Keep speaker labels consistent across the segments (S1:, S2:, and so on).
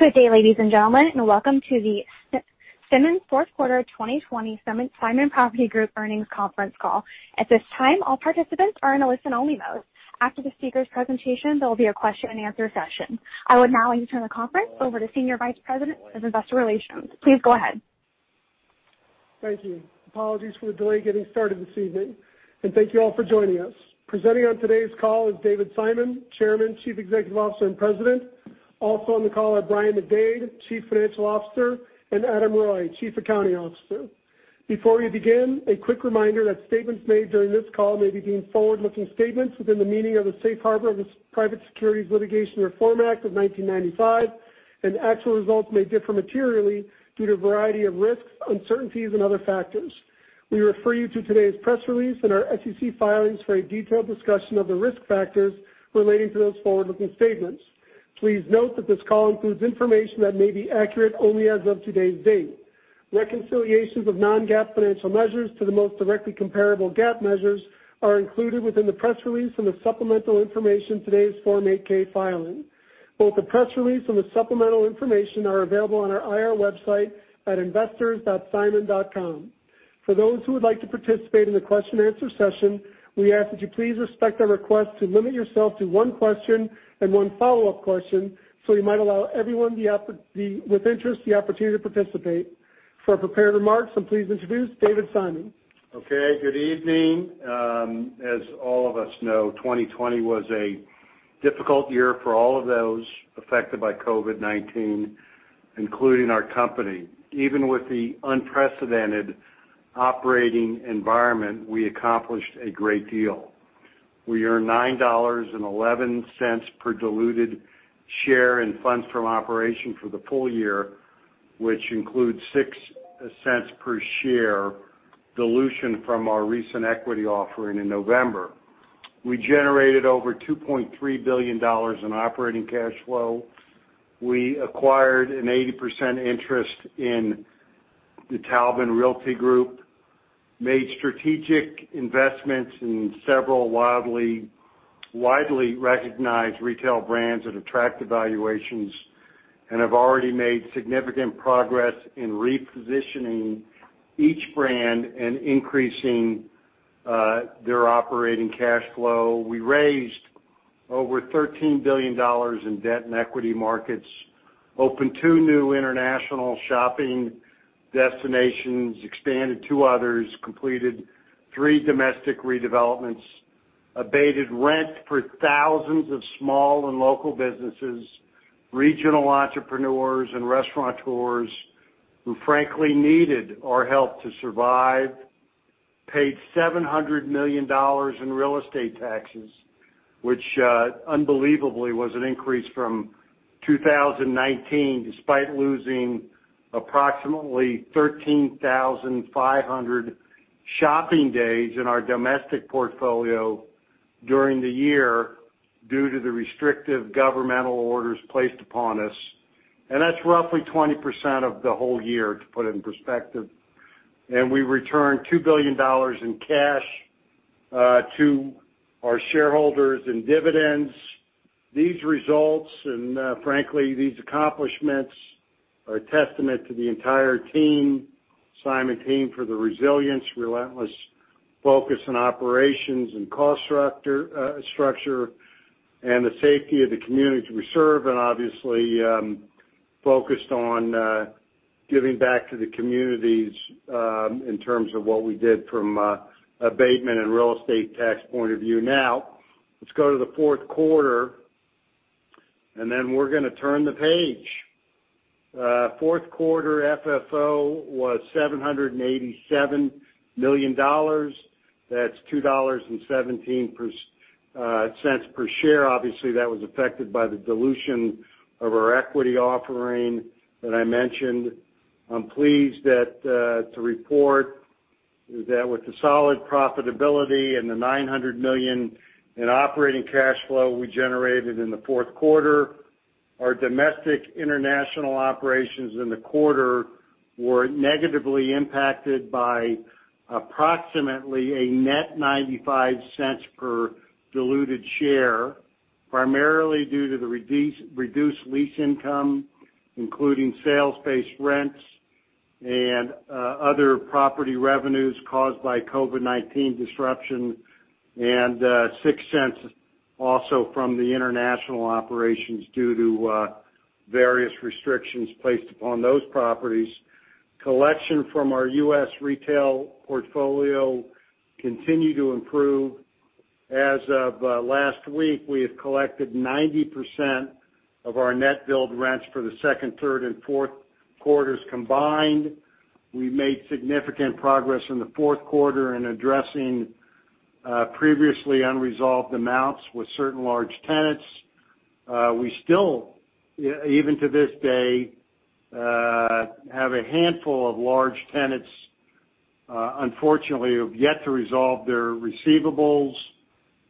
S1: Good day, ladies and gentlemen, welcome to the Simon fourth quarter 2020 Simon Property Group earnings conference call. At this time, all participants are in a listen-only mode. After the speaker's presentation, there will be a question-and-answer session. I would now like to turn the conference over to Senior Vice President of Investor Relations. Please go ahead.
S2: Thank you. Apologies for the delay getting started this evening, and thank you all for joining us. Presenting on today's call is David Simon, Chairman, Chief Executive Officer, and President. Also on the call are Brian McDade, Chief Financial Officer, and Adam Reuille, Chief Accounting Officer. Before we begin, a quick reminder that statements made during this call may be deemed forward-looking statements within the meaning of the safe harbor of the Private Securities Litigation Reform Act of 1995, and actual results may differ materially due to a variety of risks, uncertainties, and other factors. We refer you to today's press release and our SEC filings for a detailed discussion of the risk factors relating to those forward-looking statements. Please note that this call includes information that may be accurate only as of today's date. Reconciliations of non-GAAP financial measures to the most directly comparable GAAP measures are included within the press release and the supplemental information in today's Form 8-K filing. Both the press release and the supplemental information are available on our IR website at investors.simon.com. For those who would like to participate in the question-and-answer session, we ask that you please respect our request to limit yourself to one question and one follow-up question so we might allow everyone with interest the opportunity to participate. For prepared remarks, I'm pleased to introduce David Simon.
S3: Okay, good evening. As all of us know, 2020 was a difficult year for all of those affected by COVID-19, including our company. Even with the unprecedented operating environment, we accomplished a great deal. We earned $9.11 per diluted share in funds from operation for the full year, which includes $0.06 per share dilution from our recent equity offering in November. We generated over $2.3 billion in operating cash flow. We acquired an 80% interest in the Taubman Realty Group, made strategic investments in several widely recognized retail brands that attract evaluations and have already made significant progress in repositioning each brand and increasing their operating cash flow. We raised over $13 billion in debt and equity markets, opened two new international shopping destinations, expanded two others, completed three domestic redevelopments, abated rent for thousands of small and local businesses, regional entrepreneurs, and restaurateurs who frankly needed our help to survive, paid $700 million in real estate taxes, which unbelievably was an increase from 2019, despite losing approximately 13,500 shopping days in our domestic portfolio during the year due to the restrictive governmental orders placed upon us. That's roughly 20% of the whole year, to put it in perspective. We returned $2 billion in cash to our shareholders in dividends. These results, frankly, these accomplishments, are a testament to the entire Simon team for the resilience, relentless focus on operations and cost structure, the safety of the communities we serve, obviously focused on giving back to the communities in terms of what we did from an abatement and real estate tax point of view. Let's go to the fourth quarter, then we're going to turn the page. Fourth quarter FFO was $787 million. That's $2.17 per share. That was affected by the dilution of our equity offering that I mentioned. I'm pleased to report that with the solid profitability and the $900 million in operating cash flow we generated in the fourth quarter, our domestic international operations in the quarter were negatively impacted by approximately a net $0.95 per diluted share, primarily due to the reduced lease income, including sales-based rents and other property revenues caused by COVID-19 disruption. $0.06 Also from the international operations due to various restrictions placed upon those properties. Collection from our U.S. retail portfolio continued to improve. As of last week, we have collected 90% of our net billed rents for the second, third, and fourth quarters combined. We made significant progress in the fourth quarter in addressing previously unresolved amounts with certain large tenants. We still, even to this day, have a handful of large tenants, unfortunately, who have yet to resolve their receivables,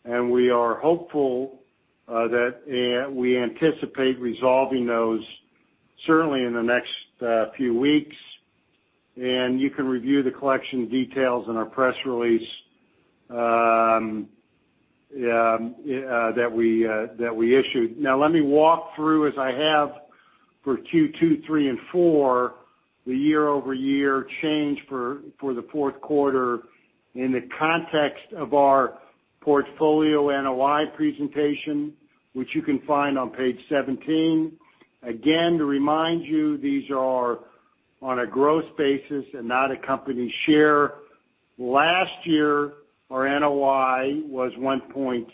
S3: and we are hopeful that we anticipate resolving those certainly in the next few weeks. You can review the collection details in our press release that we issued. Let me walk through, as I have for Q2, Q3 and Q4, the year-over-year change for the fourth quarter in the context of our portfolio NOI presentation, which you can find on page 17. To remind you, these are on a gross basis and not a company share. Last year, our NOI was $1.6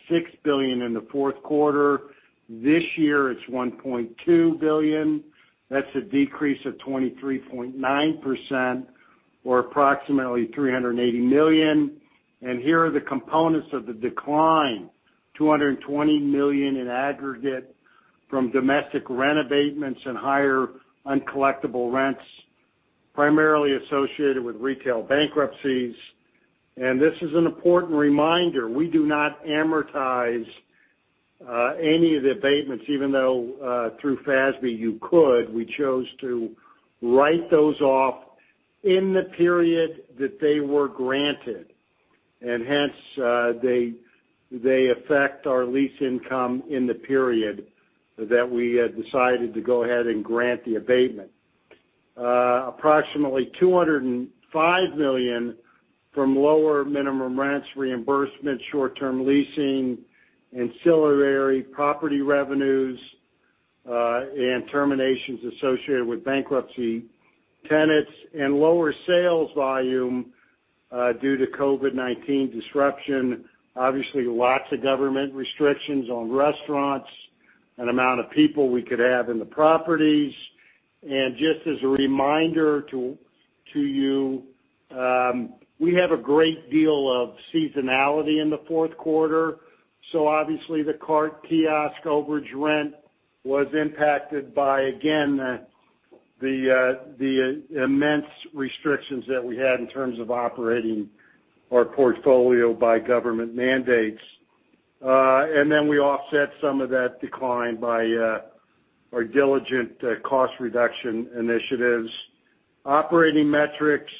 S3: billion in the fourth quarter. This year, it's $1.2 billion. That's a decrease of 23.9% or approximately $380 million. Here are the components of the decline. $220 million in aggregate from domestic rent abatements and higher uncollectible rents, primarily associated with retail bankruptcies. This is an important reminder, we do not amortize any of the abatements, even though through FASB you could. We chose to write those off in the period that they were granted, and hence, they affect our lease income in the period that we decided to go ahead and grant the abatement. Approximately $205 million from lower minimum rents reimbursement, short-term leasing, ancillary property revenues, and terminations associated with bankruptcy tenants, and lower sales volume due to COVID-19 disruption. Obviously, lots of government restrictions on restaurants and amount of people we could have in the properties. Just as a reminder to you, we have a great deal of seasonality in the fourth quarter. Obviously, the cart kiosk overage rent was impacted by, again, the immense restrictions that we had in terms of operating our portfolio by government mandates. We offset some of that decline by our diligent cost reduction initiatives. Operating metrics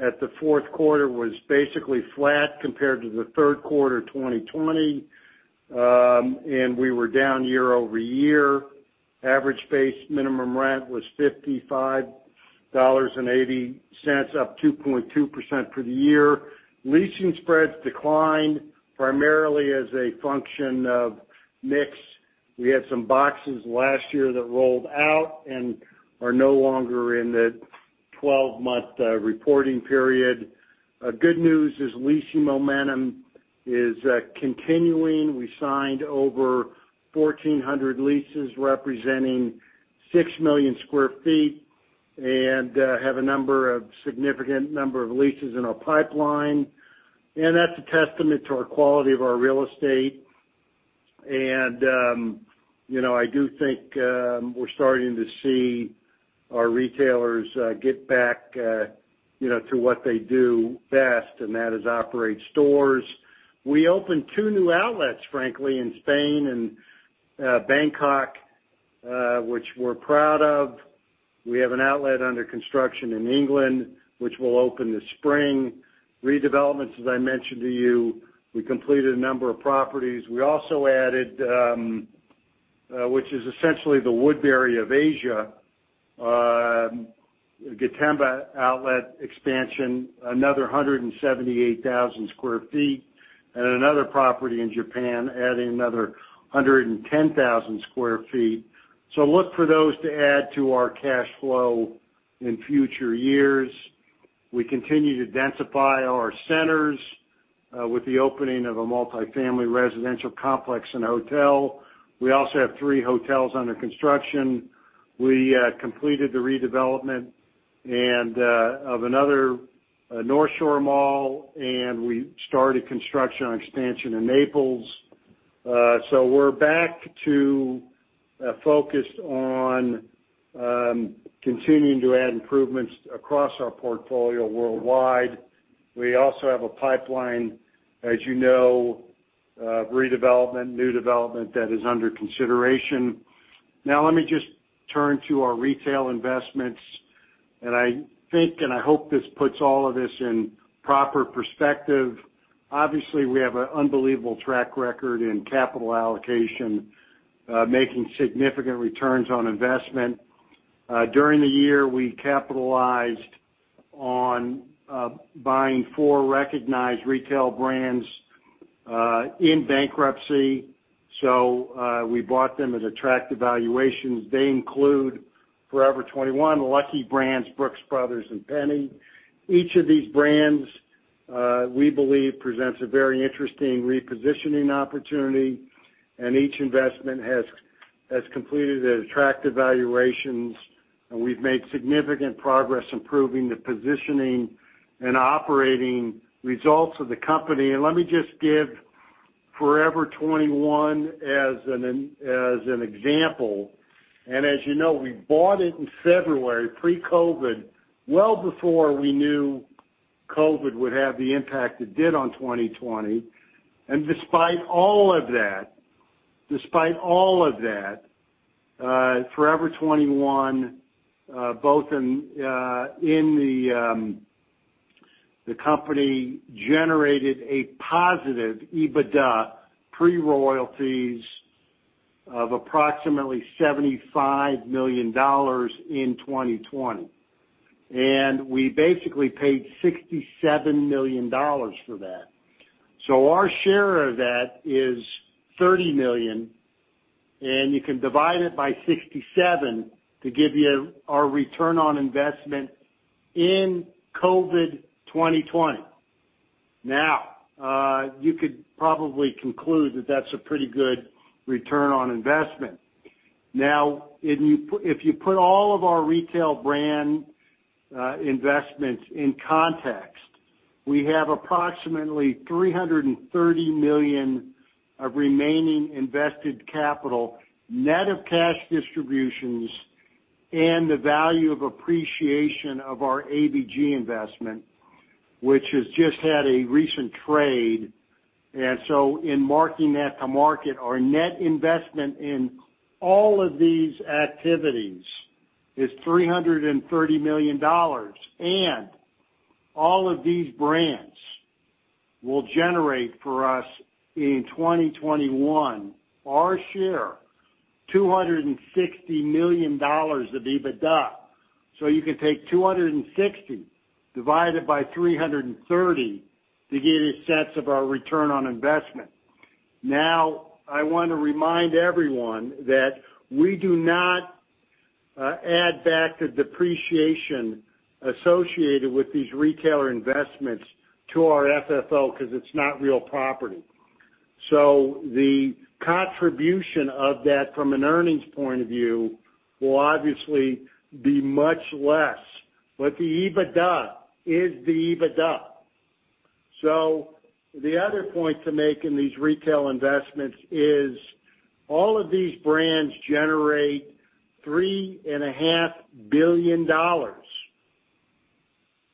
S3: at the fourth quarter was basically flat compared to the third quarter 2020, and we were down year-over-year. Average base minimum rent was $55.80, up 2.2% for the year. Leasing spreads declined primarily as a function of mix. We had some boxes last year that rolled out and are no longer in the 12-month reporting period. Good news is leasing momentum is continuing. We signed over 1,400 leases representing 6 million sq ft and have a significant number of leases in our pipeline. That's a testament to our quality of our real estate. I do think we're starting to see our retailers get back to what they do best, and that is operate stores. We opened two new outlets, frankly, in Spain and Bangkok, which we're proud of. We have an outlet under construction in England, which will open this spring. Redevelopments, as I mentioned to you, we completed a number of properties. We also added, which is essentially the Woodbury of Asia, Gotemba outlet expansion, another 178,000 sq ft, and another property in Japan adding another 110,000 sq ft. Look for those to add to our cash flow in future years. We continue to densify our centers with the opening of a multi-family residential complex and hotel. We also have three hotels under construction. We completed the redevelopment of another Northshore Mall, and we started construction on expansion in Naples. We're back to focused on continuing to add improvements across our portfolio worldwide. We also have a pipeline, as you know, of redevelopment, new development that is under consideration. Let me just turn to our retail investments, and I think, and I hope this puts all of this in proper perspective. Obviously, we have an unbelievable track record in capital allocation, making significant returns on investment. During the year, we capitalized on buying four recognized retail brands in bankruptcy. We bought them at attractive valuations. They include Forever 21, Lucky Brand, Brooks Brothers, and Penney. Each of these brands, we believe, presents a very interesting repositioning opportunity, and each investment has completed at attractive valuations, and we've made significant progress improving the positioning and operating results of the company. Let me just give Forever 21 as an example. As you know, we bought it in February, pre-COVID, well before we knew COVID would have the impact it did on 2020. Despite all of that, Forever 21, both in the company, generated a positive EBITDA pre-royalties of approximately $75 million in 2020. We basically paid $67 million for that. Our share of that is $30 million, and you can divide it by 67 to give you our return on investment in COVID 2020. Now, you could probably conclude that that's a pretty good return on investment. Now, if you put all of our retail brand investments in context, we have approximately $330 million of remaining invested capital, net of cash distributions, and the value of appreciation of our ABG investment, which has just had a recent trade. In marking that to market, our net investment in all of these activities is $330 million, and all of these brands will generate for us in 2021, our share, $260 million of EBITDA. You can take 260 divided by 330 to get a sense of our return on investment. Now, I want to remind everyone that we do not add back the depreciation associated with these retailer investments to our FFO because it's not real property. The contribution of that from an earnings point of view will obviously be much less. The EBITDA is the EBITDA. The other point to make in these retail investments is all of these brands generate $3.5 billion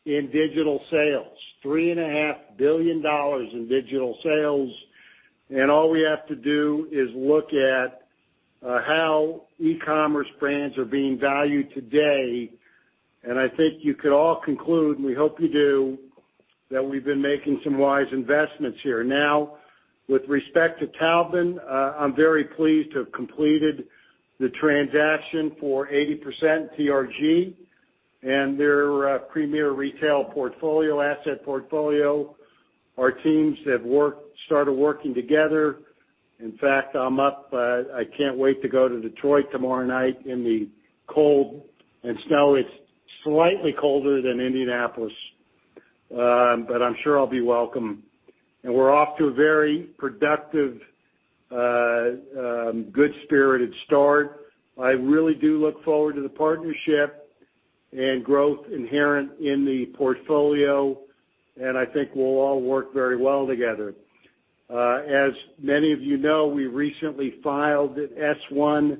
S3: in digital sales. $3.5 billion in digital sales, and all we have to do is look at how e-commerce brands are being valued today, and I think you could all conclude, and we hope you do, that we've been making some wise investments here. With respect to Taubman, I'm very pleased to have completed the transaction for 80% TRG and their premier retail portfolio, asset portfolio. Our teams have started working together. I can't wait to go to Detroit tomorrow night in the cold and snow. It's slightly colder than Indianapolis, I'm sure I'll be welcome. We're off to a very productive, good spirited start. I really do look forward to the partnership and growth inherent in the portfolio, I think we'll all work very well together. As many of you know, we recently filed an S-1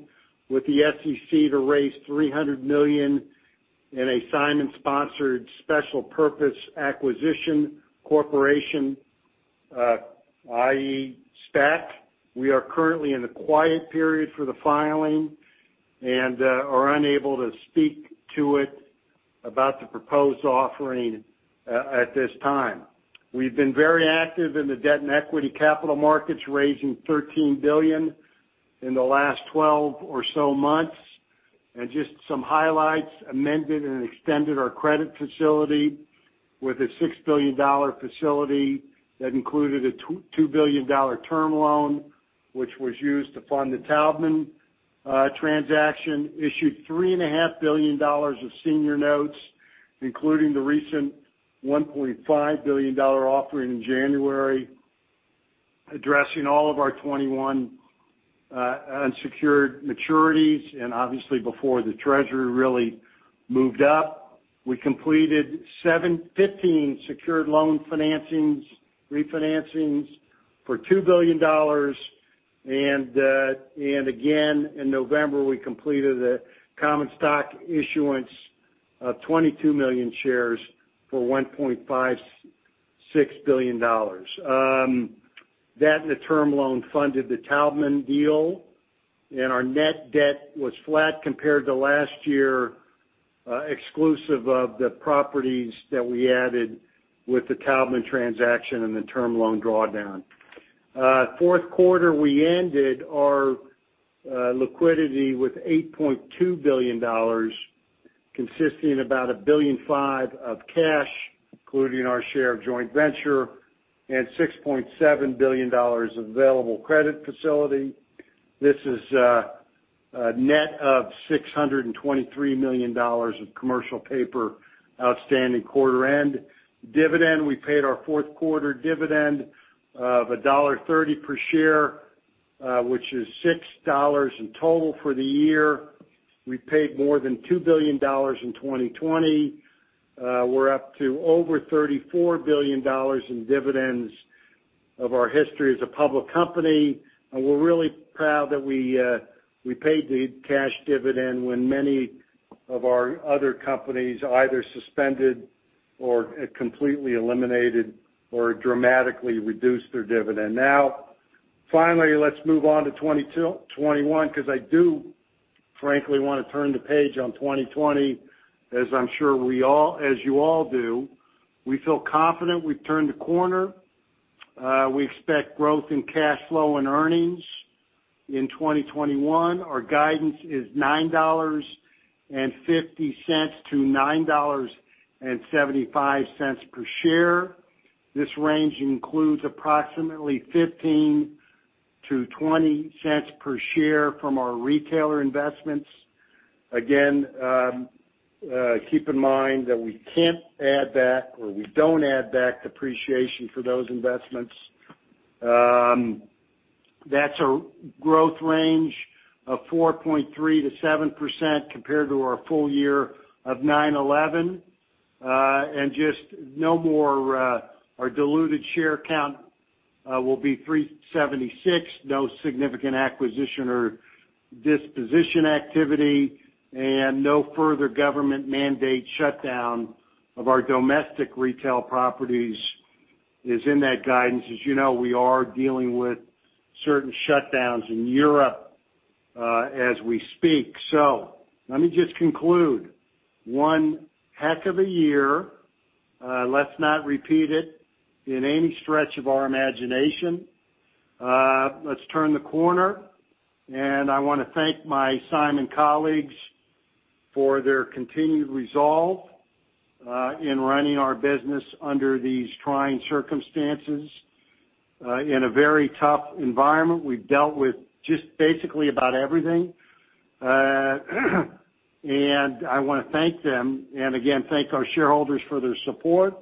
S3: with the SEC to raise $300 million in a Simon sponsored special purpose acquisition corporation, i.e., SPAC. We are currently in the quiet period for the filing, are unable to speak to it about the proposed offering at this time. We've been very active in the debt and equity capital markets, raising $13 billion in the last 12 or so months. Just some highlights, amended and extended our credit facility with a $6 billion facility that included a $2 billion term loan, which was used to fund the Taubman transaction, issued $3.5 billion of senior notes, including the recent $1.5 billion offering in January, addressing all of our 21 unsecured maturities. Obviously before the Treasury really moved up. We completed 715 secured loan financings, refinancings for $2 billion. Again, in November, we completed a common stock issuance of 22 million shares for $1.56 billion. That and the term loan funded the Taubman deal, and our net debt was flat compared to last year, exclusive of the properties that we added with the Taubman transaction and the term loan drawdown. Fourth quarter, we ended our liquidity with $8.2 billion, consisting about $1.5 billion of cash, including our share of joint venture and $6.7 billion of available credit facility. This is net of $623 million of commercial paper outstanding quarter end. Dividend, we paid our fourth quarter dividend of $1.30 per share, which is $6 in total for the year. We paid more than $2 billion in 2020. We're up to over $34 billion in dividends of our history as a public company. We're really proud that we paid the cash dividend when many of our other companies either suspended or completely eliminated or dramatically reduced their dividend. Finally, let's move on to 2021, because I do frankly want to turn the page on 2020, as I'm sure as you all do. We feel confident we've turned the corner. We expect growth in cash flow and earnings in 2021. Our guidance is $9.50-$9.75 per share. This range includes approximately $0.15-$0.20 per share from our retailer investments. Keep in mind that we can't add back or we don't add back depreciation for those investments. That's a growth range of 4.3%-7% compared to our full year of $9.11. Just no more, our diluted share count will be 376. No significant acquisition or disposition activity, and no further government mandate shutdown of our domestic retail properties is in that guidance. As you know, we are dealing with certain shutdowns in Europe, as we speak. Let me just conclude. One heck of a year. Let's not repeat it in any stretch of our imagination. Let's turn the corner. I want to thank my Simon colleagues for their continued resolve, in running our business under these trying circumstances, in a very tough environment. We've dealt with just basically about everything. I want to thank them and again, thank our shareholders for their support.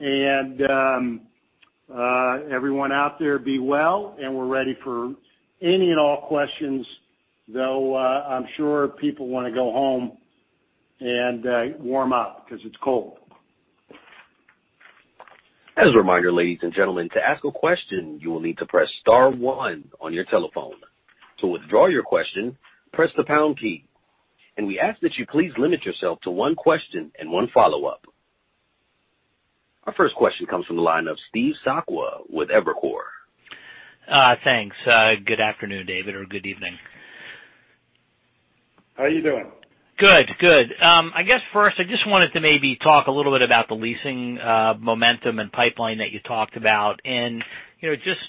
S3: Everyone out there be well, and we're ready for any and all questions, though I'm sure people want to go home and warm up because it's cold.
S1: As a reminder, ladies and gentlemen, to ask a question, you will need to press star one on your telephone. To withdraw your question, press the pound key. We ask that you please limit yourself to one question and one follow-up. Our first question comes from the line of Steve Sakwa with Evercore.
S4: Thanks. Good afternoon, David, or good evening.
S3: How are you doing?
S4: Good. I guess first, I just wanted to maybe talk a little bit about the leasing momentum and pipeline that you talked about. Just,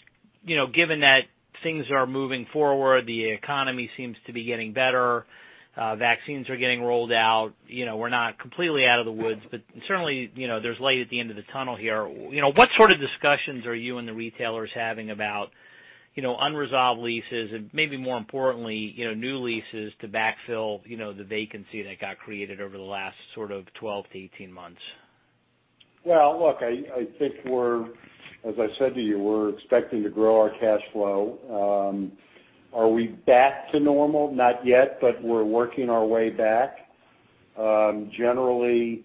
S4: given that things are moving forward, the economy seems to be getting better, vaccines are getting rolled out. We're not completely out of the woods, but certainly, there's light at the end of the tunnel here. What sort of discussions are you and the retailers having about unresolved leases and maybe more importantly, new leases to backfill the vacancy that got created over the last sort of 12 months-18 months?
S3: Well, look, I think as I said to you, we're expecting to grow our cash flow. Are we back to normal? Not yet, we're working our way back. Generally,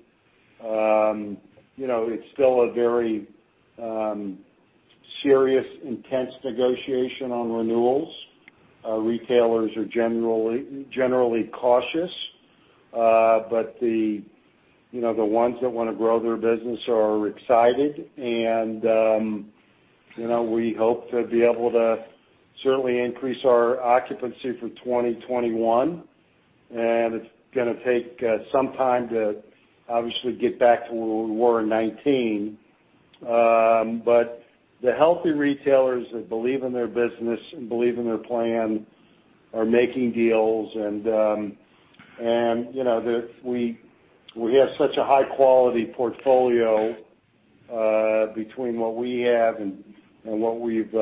S3: it's still a very serious, intense negotiation on renewals. Retailers are generally cautious. The ones that want to grow their business are excited and we hope to be able to certainly increase our occupancy for 2021. It's going to take some time to obviously get back to where we were in 2019. The healthy retailers that believe in their business and believe in their plan are making deals. We have such a high-quality portfolio, between what we have and what we've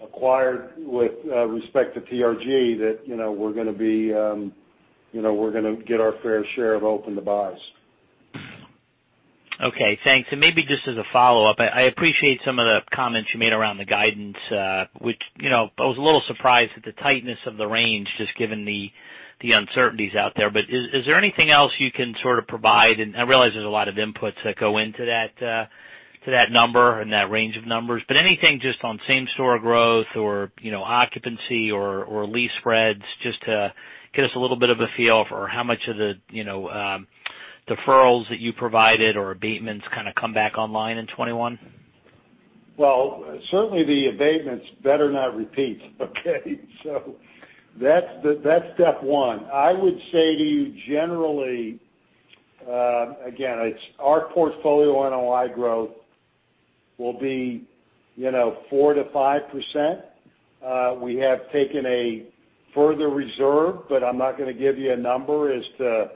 S3: acquired with respect to TRG, that we're going to get our fair share of open to buys.
S4: Okay, thanks. Maybe just as a follow-up, I appreciate some of the comments you made around the guidance, which I was a little surprised at the tightness of the range, just given the uncertainties out there. Is there anything else you can sort of provide? I realize there's a lot of inputs that go into that number and that range of numbers, but anything just on same store growth or occupancy or lease spreads just to get us a little bit of a feel for how much of the deferrals that you provided or abatements kind of come back online in 2021?
S3: Well, certainly the abatements better not repeat. Okay? That's step one. I would say to you generally, again, our portfolio NOI growth will be 4%-5%. We have taken a further reserve. I'm not going to give you a number as to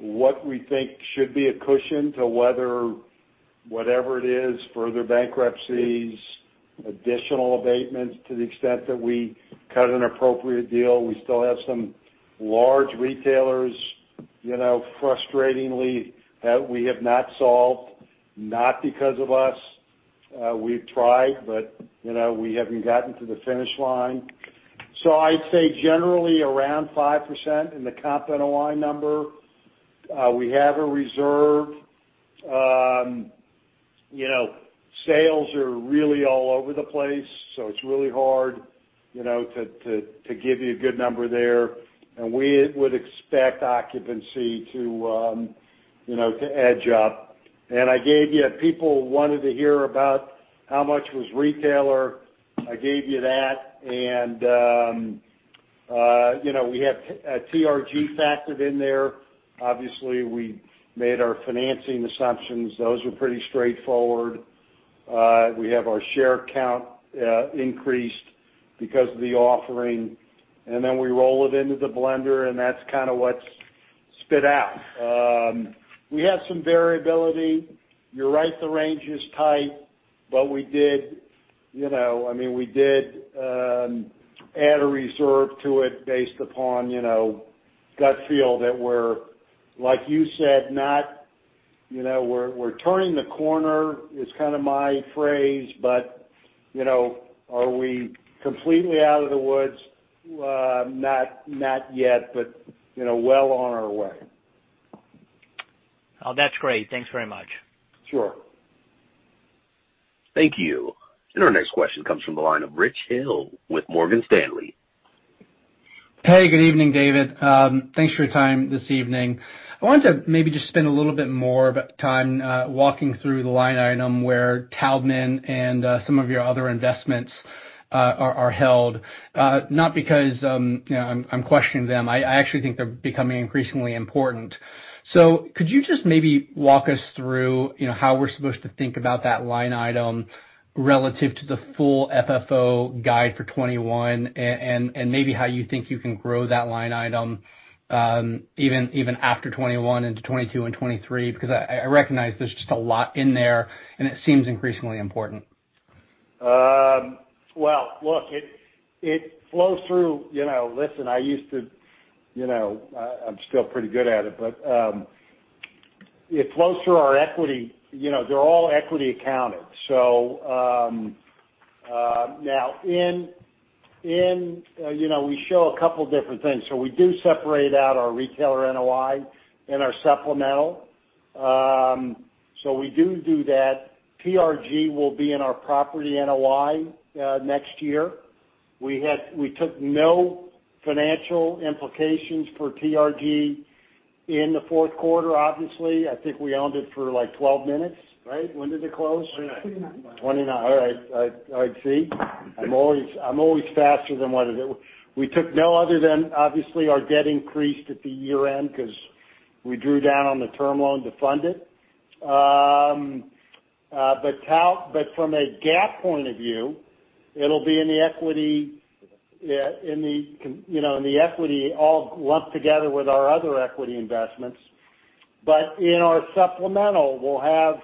S3: what we think should be a cushion to whatever it is, further bankruptcies, additional abatements to the extent that we cut an appropriate deal. We still have some large retailers frustratingly that we have not solved, not because of us. We've tried. We haven't gotten to the finish line. I'd say generally around 5% in the comp NOI number. We have a reserve. Sales are really all over the place. It's really hard to give you a good number there. We would expect occupancy to edge up. People wanted to hear about how much was retailer, I gave you that. We have TRG factored in there. Obviously, we made our financing assumptions. Those were pretty straightforward. We have our share count increased because of the offering, and then we roll it into the blender, and that's kind of what's spit out. We have some variability. You're right, the range is tight, but we did add a reserve to it based upon gut feel that we're, like you said, We're turning the corner, it's kind of my phrase, but are we completely out of the woods? Not yet, but well on our way.
S4: Oh, that's great. Thanks very much.
S3: Sure.
S1: Thank you. Our next question comes from the line of Rich Hill with Morgan Stanley.
S5: Hey, good evening, David. Thanks for your time this evening. I wanted to maybe just spend a little bit more of time walking through the line item where Taubman and some of your other investments are held. Not because I'm questioning them. I actually think they're becoming increasingly important. Could you just maybe walk us through how we're supposed to think about that line item relative to the full FFO guide for 2021, and maybe how you think you can grow that line item, even after 2021 into 2022 and 2023? I recognize there's just a lot in there, and it seems increasingly important.
S3: Look, it flows through Listen, I'm still pretty good at it, but it flows through our equity. They're all equity accounted. We show a couple different things. We do separate out our retailer NOI in our supplemental. We do that. TRG will be in our property NOI next year. We took no financial implications for TRG in the fourth quarter, obviously. I think we owned it for 12 minutes, right? When did it close?
S6: 29.
S3: 29. All right. See? I'm always faster than what it is. We took no other than, obviously, our debt increased at the year-end because we drew down on the term loan to fund it. From a GAAP point of view, it'll be in the equity all lumped together with our other equity investments. In our supplemental, we'll have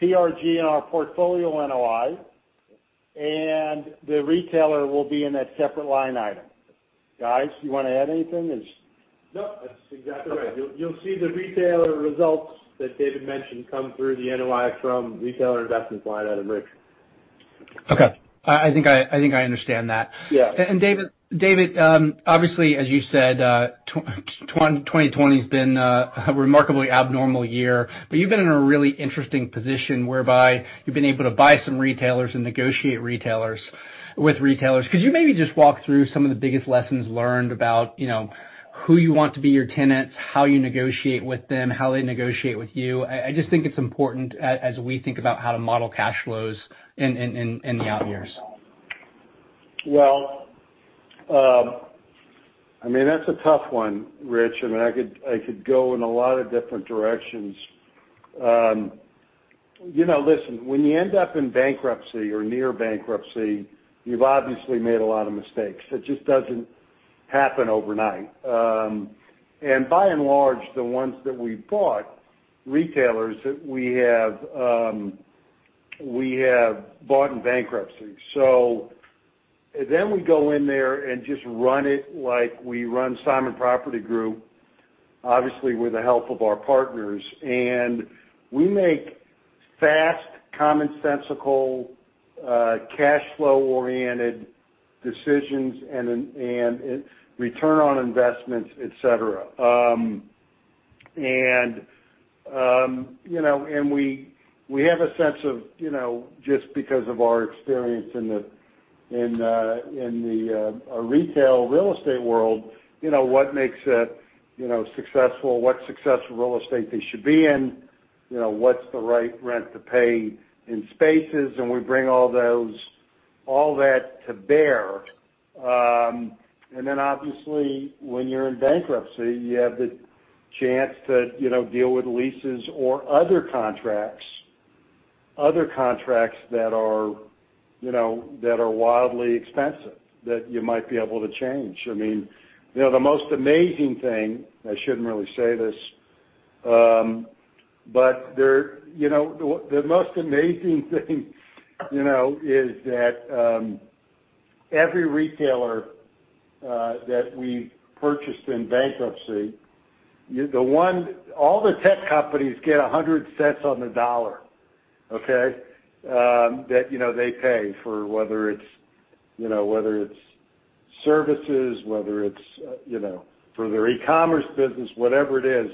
S3: TRG in our portfolio NOI, and the retailer will be in a separate line item. Guys, you want to add anything?
S6: No, that's exactly right. You'll see the retailer results that David mentioned come through the NOI from retailer investments line item, Rich.
S5: Okay. I think I understand that.
S3: Yeah.
S5: David, obviously, as you said 2020's been a remarkably abnormal year, but you've been in a really interesting position whereby you've been able to buy some retailers and negotiate with retailers. Could you maybe just walk through some of the biggest lessons learned about who you want to be your tenants, how you negotiate with them, how they negotiate with you? I just think it's important as we think about how to model cash flows in the out years.
S3: Well, that's a tough one, Rich. I could go in a lot of different directions. Listen, when you end up in bankruptcy or near bankruptcy, you've obviously made a lot of mistakes. It just doesn't happen overnight. By and large, the ones that we've bought, retailers that we have bought in bankruptcy. We go in there and just run it like we run Simon Property Group, obviously with the help of our partners. We make fast, commonsensical, cash flow-oriented decisions, and return on investments, et cetera. We have a sense of, just because of our experience in the retail real estate world, what makes a successful real estate they should be in. What's the right rent to pay in spaces, and we bring all that to bear. Obviously, when you're in bankruptcy, you have the chance to deal with leases or other contracts that are wildly expensive, that you might be able to change. The most amazing thing, I shouldn't really say this, but the most amazing thing is that every retailer that we've purchased in bankruptcy, all the tech companies get 100 cents on the dollar, okay. That they pay for whether it's services, whether it's for their e-commerce business, whatever it is.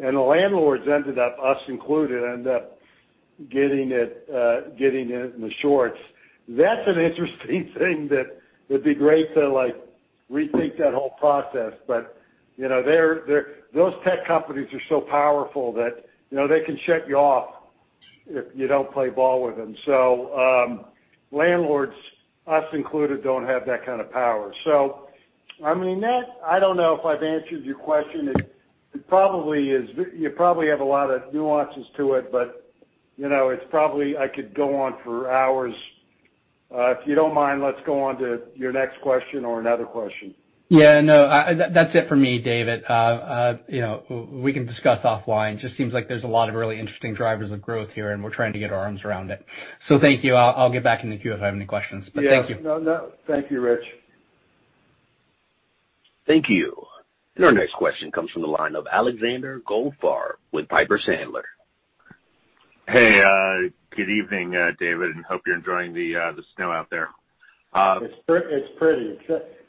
S3: The landlords ended up, us included, end up getting it in the shorts. That's an interesting thing that would be great to rethink that whole process. Those tech companies are so powerful that they can shut you off if you don't play ball with them. Landlords, us included, don't have that kind of power. I don't know if I've answered your question. You probably have a lot of nuances to it, but I could go on for hours. If you don't mind, let's go on to your next question or another question.
S5: Yeah, no, that's it for me, David. We can discuss offline. Seems like there's a lot of really interesting drivers of growth here, and we're trying to get our arms around it. Thank you. I'll get back in the queue if I have any questions, but thank you.
S3: Yeah. No. Thank you, Rich.
S1: Thank you. Our next question comes from the line of Alexander Goldfarb with Piper Sandler.
S7: Hey, good evening, David, and hope you're enjoying the snow out there.
S3: It's pretty.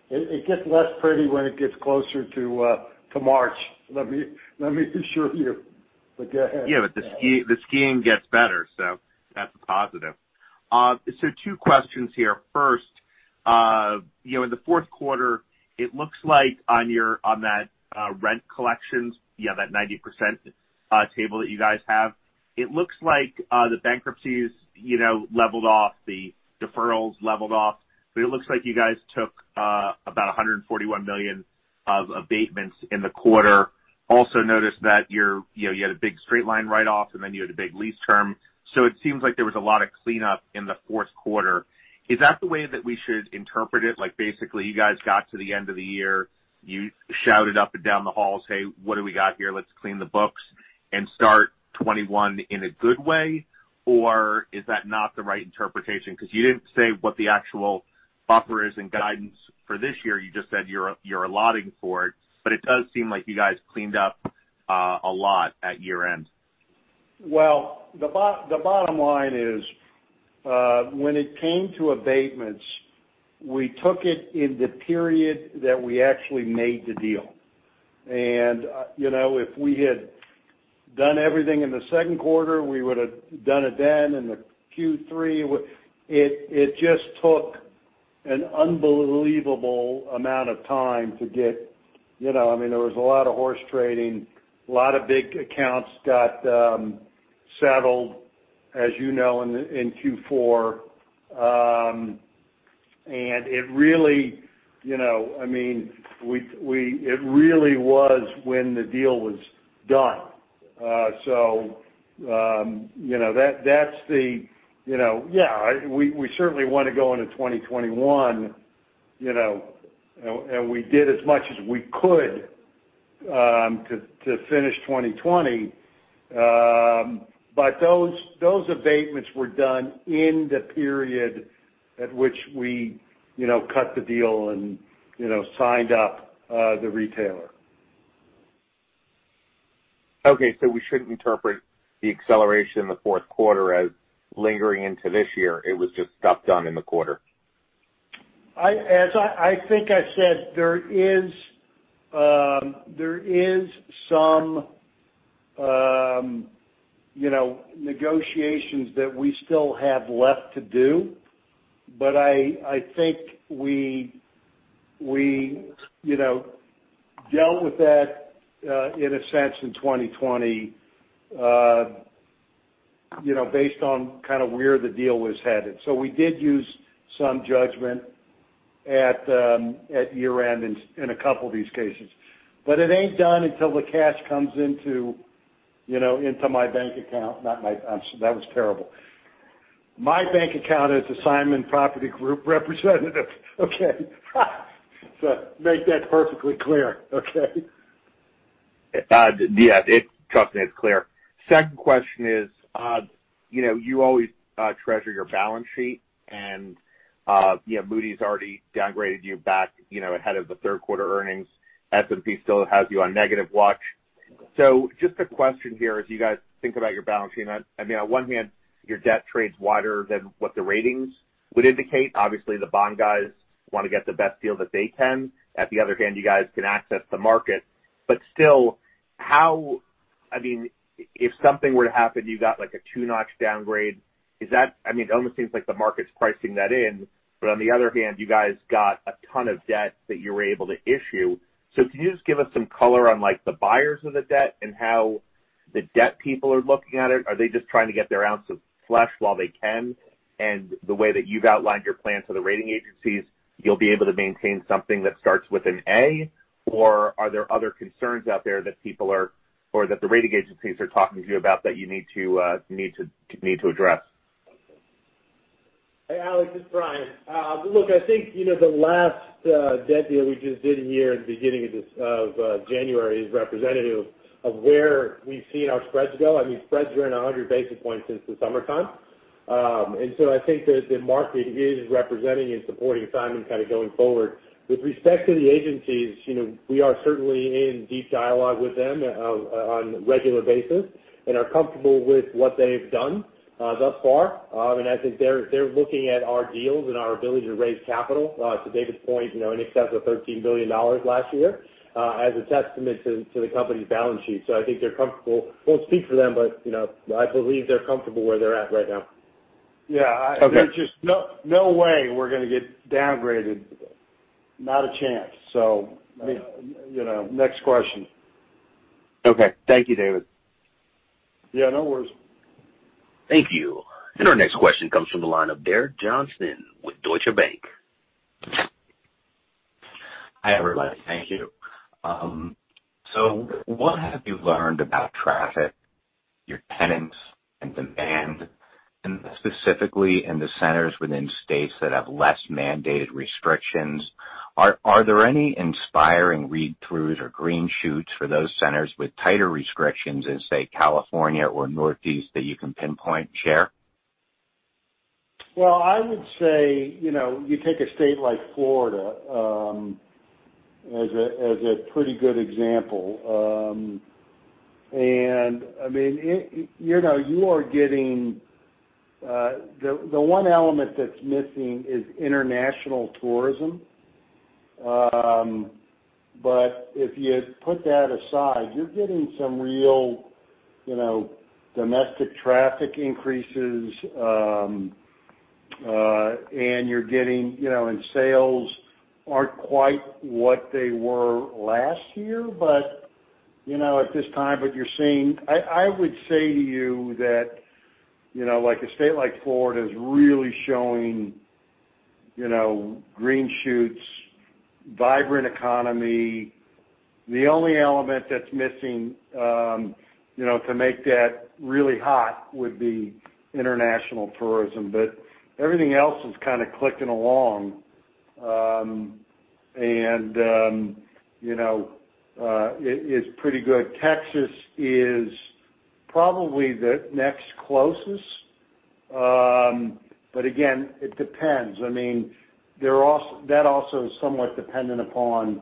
S3: It gets less pretty when it gets closer to March, let me assure you. Go ahead.
S7: The skiing gets better, that's a positive. Two questions here. First, in the fourth quarter, it looks like on that rent collections, that 90% table that you guys have, it looks like the bankruptcies leveled off, the deferrals leveled off. It looks like you guys took about $141 million of abatements in the quarter. Also noticed that you had a big straight line write-off, you had a big lease term. It seems like there was a lot of cleanup in the fourth quarter. Is that the way that we should interpret it? Basically, you guys got to the end of the year, you shouted up and down the halls, "Hey, what do we got here? Let's clean the books and start 2021 in a good way." Is that not the right interpretation? Because you didn't say what the actual offer is and guidance for this year. You just said you're allotting for it. It does seem like you guys cleaned up a lot at year-end.
S3: Well, the bottom line is, when it came to abatements, we took it in the period that we actually made the deal. If we had done everything in the second quarter, we would've done it then, in the Q3. It just took an unbelievable amount of time. There was a lot of horse trading, a lot of big accounts got settled, as you know, in Q4. It really was when the deal was done. Yeah, we certainly want to go into 2021, and we did as much as we could to finish 2020. Those abatements were done in the period at which we cut the deal and signed up the retailer.
S7: Okay, we shouldn't interpret the acceleration in the fourth quarter as lingering into this year. It was just stuff done in the quarter.
S3: As I think I said, there is some negotiations that we still have left to do. I think we dealt with that, in a sense, in 2020, based on kind of where the deal was headed. We did use some judgment at year-end in a couple of these cases. It ain't done until the cash comes into my bank account. That was terrible. My bank account as Simon Property Group representative, okay? Make that perfectly clear, okay?
S7: Yeah, it's clear. Second question is, you always treasure your balance sheet, and Moody's already downgraded you back ahead of the third quarter earnings. S&P still has you on negative watch. Just a question here. As you guys think about your balance sheet, on one hand, your debt trades wider than what the ratings would indicate. Obviously, the bond guys want to get the best deal that they can. On the other hand, you guys can access the market. Still, if something were to happen, you got a two-notch downgrade. It almost seems like the market's pricing that in. On the other hand, you guys got a ton of debt that you were able to issue. Can you just give us some color on the buyers of the debt and how the debt people are looking at it? Are they just trying to get their ounce of flesh while they can? The way that you've outlined your plan to the rating agencies, you'll be able to maintain something that starts with an A, or are there other concerns out there that the rating agencies are talking to you about that you need to address?
S6: Hey, Alex, it's Brian. Look, I think the last debt deal we just did here in the beginning of January is representative of where we've seen our spreads go. Spreads were in 100 basis points since the summertime. I think that the market is representing and supporting Simon kind of going forward. With respect to the agencies, we are certainly in deep dialogue with them on a regular basis and are comfortable with what they've done thus far. I think they're looking at our deals and our ability to raise capital, to David's point, in excess of $13 billion last year, as a testament to the company's balance sheet. I think they're comfortable. Won't speak for them, but I believe they're comfortable where they're at right now.
S3: Yeah.
S7: Okay.
S3: There's just no way we're going to get downgraded. Not a chance. Next question.
S7: Okay. Thank you, David.
S3: Yeah, no worries.
S1: Thank you. Our next question comes from the line of Derek Johnston with Deutsche Bank.
S8: Hi, everybody. Thank you. What have you learned about traffic, your tenants, and demand, and specifically in the centers within states that have less mandated restrictions? Are there any inspiring read-throughs or green shoots for those centers with tighter restrictions in, say, California or Northeast, that you can pinpoint and share?
S3: Well, I would say, you take a state like Florida, as a pretty good example. The one element that's missing is international tourism. If you put that aside, you're getting some real domestic traffic increases, and sales aren't quite what they were last year at this time. I would say to you that a state like Florida is really showing green shoots, vibrant economy. The only element that's missing, to make that really hot, would be international tourism. Everything else is kind of clicking along. It's pretty good. Texas is probably the next closest. Again, it depends. That also is somewhat dependent upon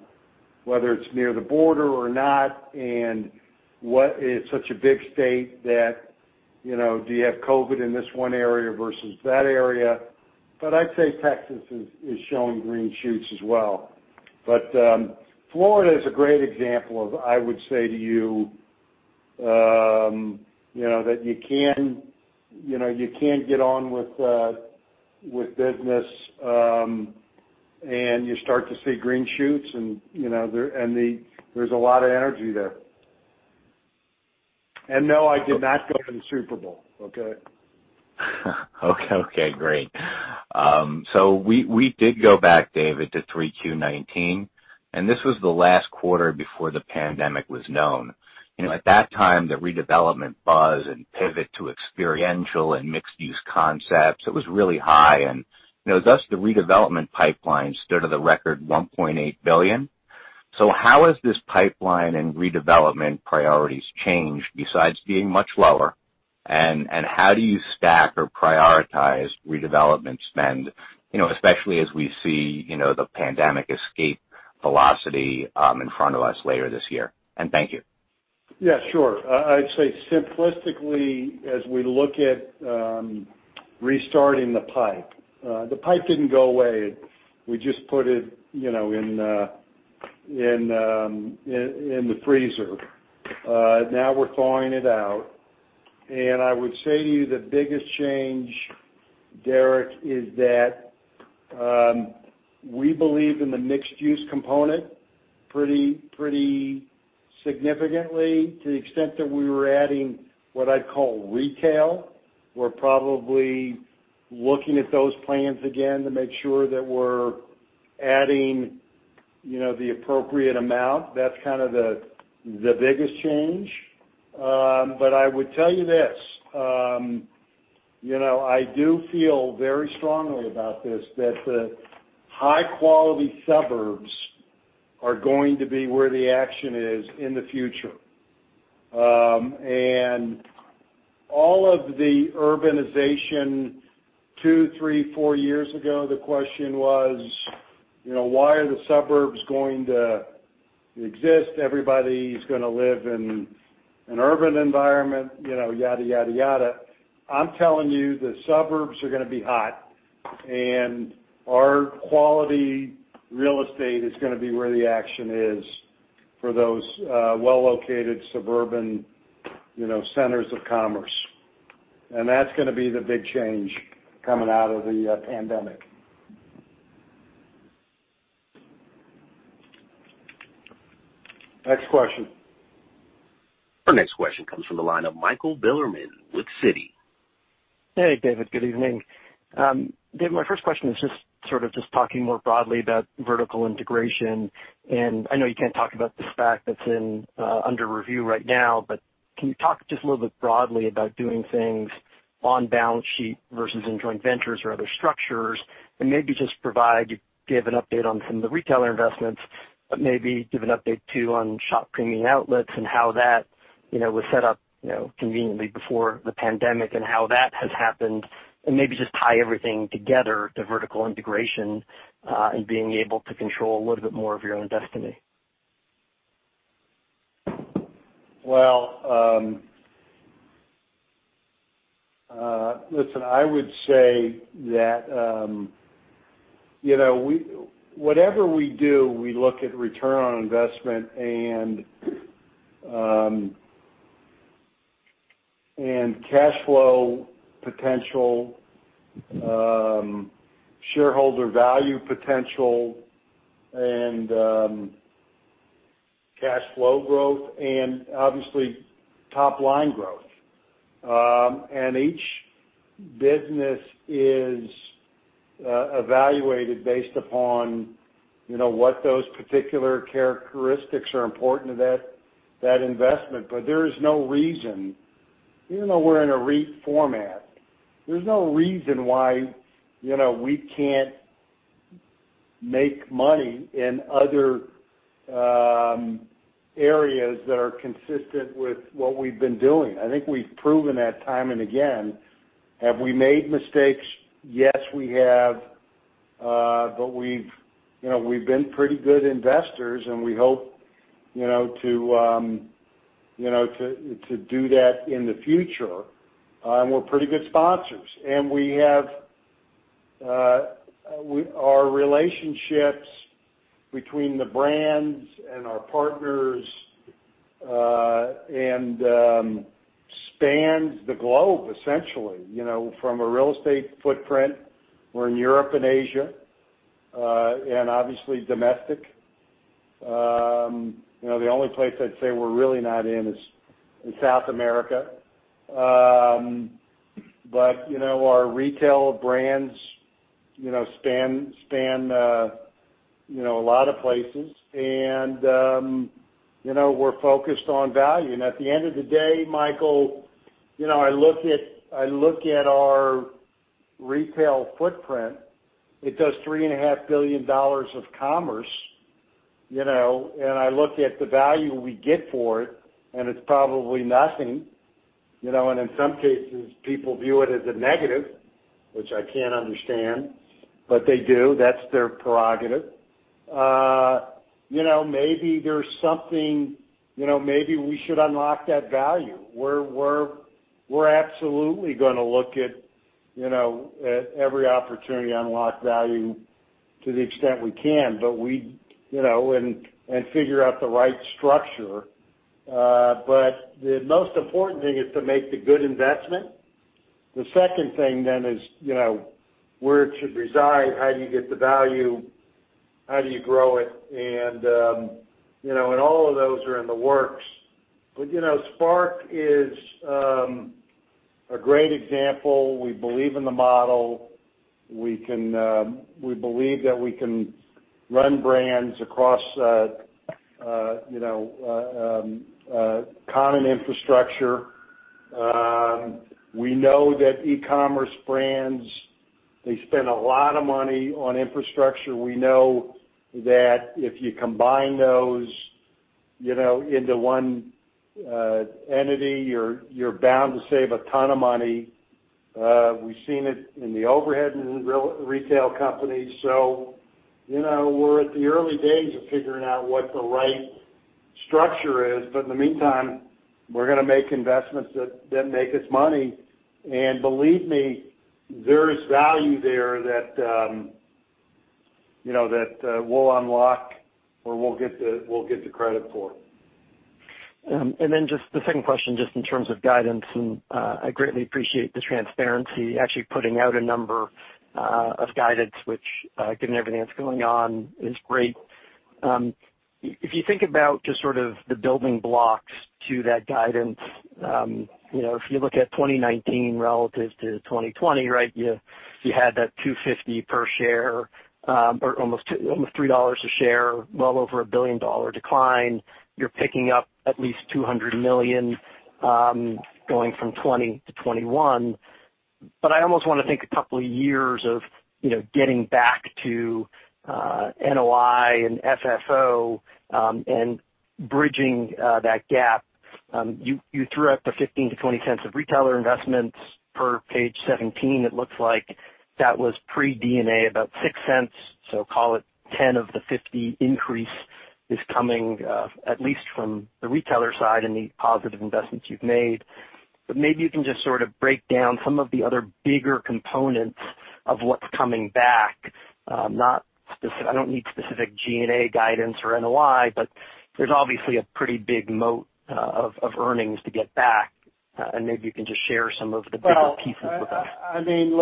S3: whether it's near the border or not, and it's such a big state that, do you have COVID in this one area versus that area? I'd say Texas is showing green shoots as well. Florida is a great example of, I would say to you, that you can get on with business, and you start to see green shoots, and there's a lot of energy there. No, I did not go to the Super Bowl. Okay.
S8: Okay, great. We did go back, David, to 3Q 2019, and this was the last quarter before the pandemic was known. At that time, the redevelopment buzz and pivot to experiential and mixed-use concepts, it was really high, thus the redevelopment pipeline stood at a record $1.8 billion. How has this pipeline and redevelopment priorities changed besides being much lower, how do you stack or prioritize redevelopment spend, especially as we see the pandemic escape velocity in front of us later this year? Thank you.
S3: Yeah, sure. I'd say simplistically, as we look at restarting the pipe. The pipe didn't go away. We just put it in the freezer. Now we're thawing it out. I would say to you, the biggest change, Derek, is that we believe in the mixed-use component pretty significantly to the extent that we were adding what I'd call retail. We're probably looking at those plans again to make sure that we're adding the appropriate amount. That's kind of the biggest change. I would tell you this. I do feel very strongly about this, that the high-quality suburbs are going to be where the action is in the future. All of the urbanization two, three, four years ago, the question was, why are the suburbs going to exist? Everybody's going to live in an urban environment, yada, yada, yada. I'm telling you, the suburbs are going to be hot, and our quality real estate is going to be where the action is for those well-located suburban centers of commerce. That's going to be the big change coming out of the pandemic. Next question.
S1: Our next question comes from the line of Michael Bilerman with Citi.
S9: Hey, David. Good evening. David, my first question is just sort of just talking more broadly about vertical integration. I know you can't talk about the SPAC that's under review right now. Can you talk just a little bit broadly about doing things on balance sheet versus in joint ventures or other structures? Maybe just provide, give an update on some of the retailer investments. Maybe give an update, too, on Shop Premium Outlets and how that was set up conveniently before the pandemic and how that has happened. Maybe just tie everything together to vertical integration, and being able to control a little bit more of your own destiny.
S3: Well, listen, I would say that whatever we do, we look at return on investment and cash flow potential, shareholder value potential, and cash flow growth, and obviously top-line growth. Each business is evaluated based upon what those particular characteristics are important to that investment. There is no reason, even though we're in a REIT format, there's no reason why we can't make money in other areas that are consistent with what we've been doing. I think we've proven that time and again. Have we made mistakes? Yes, we have. We've been pretty good investors, and we hope to do that in the future. We're pretty good sponsors. Our relationships between the brands and our partners spans the globe, essentially. From a real estate footprint, we're in Europe and Asia, and obviously domestic. The only place I'd say we're really not in is in South America. Our retail brands span a lot of places, and we're focused on value. At the end of the day, Michael, I look at our retail footprint. It does $3.5 billion of commerce, and I look at the value we get for it, and it's probably nothing. In some cases, people view it as a negative, which I can't understand, but they do. That's their prerogative. Maybe we should unlock that value. We're absolutely going to look at every opportunity to unlock value to the extent we can and figure out the right structure. The most important thing is to make the good investment. The second thing is, where it should reside, how do you get the value? How do you grow it? All of those are in the works. SPARC is a great example. We believe in the model. We believe that we can run brands across common infrastructure. We know that e-commerce brands, they spend a lot of money on infrastructure. We know that if you combine those into one entity, you're bound to save a ton of money. We've seen it in the overhead in retail companies. We're at the early days of figuring out what the right structure is. In the meantime, we're going to make investments that make us money. Believe me, there is value there that we'll unlock, or we'll get the credit for.
S9: The second question, in terms of guidance, I greatly appreciate the transparency, actually putting out a number of guidance, which given everything that's going on is great. If you think about the building blocks to that guidance, if you look at 2019 relative to 2020, right, you had that $2.50 per share, or almost $3 a share, well over a billion-dollar decline. You're picking up at least $200 million, going from 2020 to 2021. I almost want to think a couple of years of getting back to NOI and FFO, and bridging that gap. You threw out the $0.15-$0.20 of retailer investments per page 17. It looks like that was pre-G&A, about $0.06. Call it 10 of the 50 increase is coming, at least from the retailer side and the positive investments you've made. Maybe you can just sort of break down some of the other bigger components of what's coming back. I don't need specific G&A guidance or NOI. There's obviously a pretty big moat of earnings to get back, and maybe you can just share some of the bigger pieces with us.
S3: I think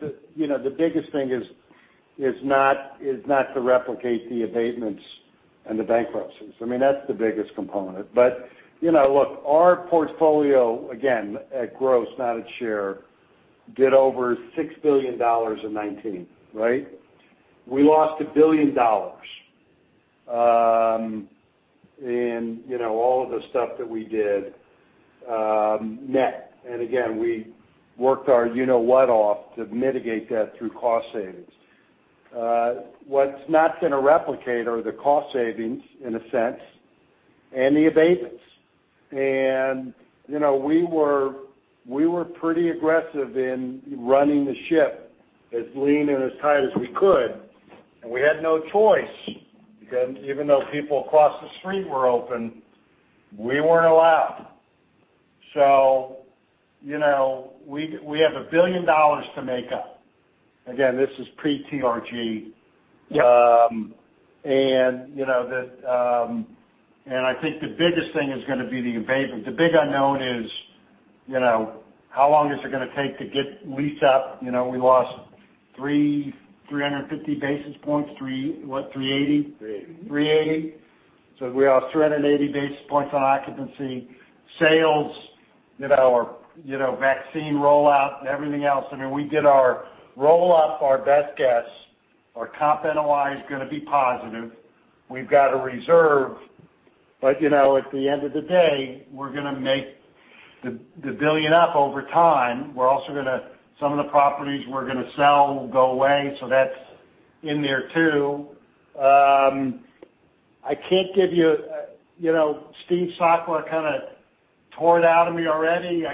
S3: that the biggest thing is not to replicate the abatements and the bankruptcies. That's the biggest component. Our portfolio, again, at gross, not at share, did over $6 billion in 2019, right? We lost $1 billion in all of the stuff that we did net. Again, we worked our you-know-what off to mitigate that through cost savings. What's not going to replicate are the cost savings, in a sense, and the abatements. We were pretty aggressive in running the ship as lean and as tight as we could, and we had no choice because even though people across the street were open, we weren't allowed. We have $1 billion to make up. Again, this is pre-TRG.
S9: Yeah.
S3: I think the biggest thing is going to be the abatement. The big unknown is how long is it going to take to get lease up? We lost 350 basis points. three what, 380?
S6: 380.
S3: We lost 380 basis points on occupancy. Sales, our vaccine rollout, and everything else. We did our roll-up, our best guess. Our comp NOI is going to be positive. We've got a reserve. At the end of the day, we're going to make the billion up over time. Some of the properties we're going to sell will go away, that's in there, too. Steve Sakwa kind of tore it out of me already.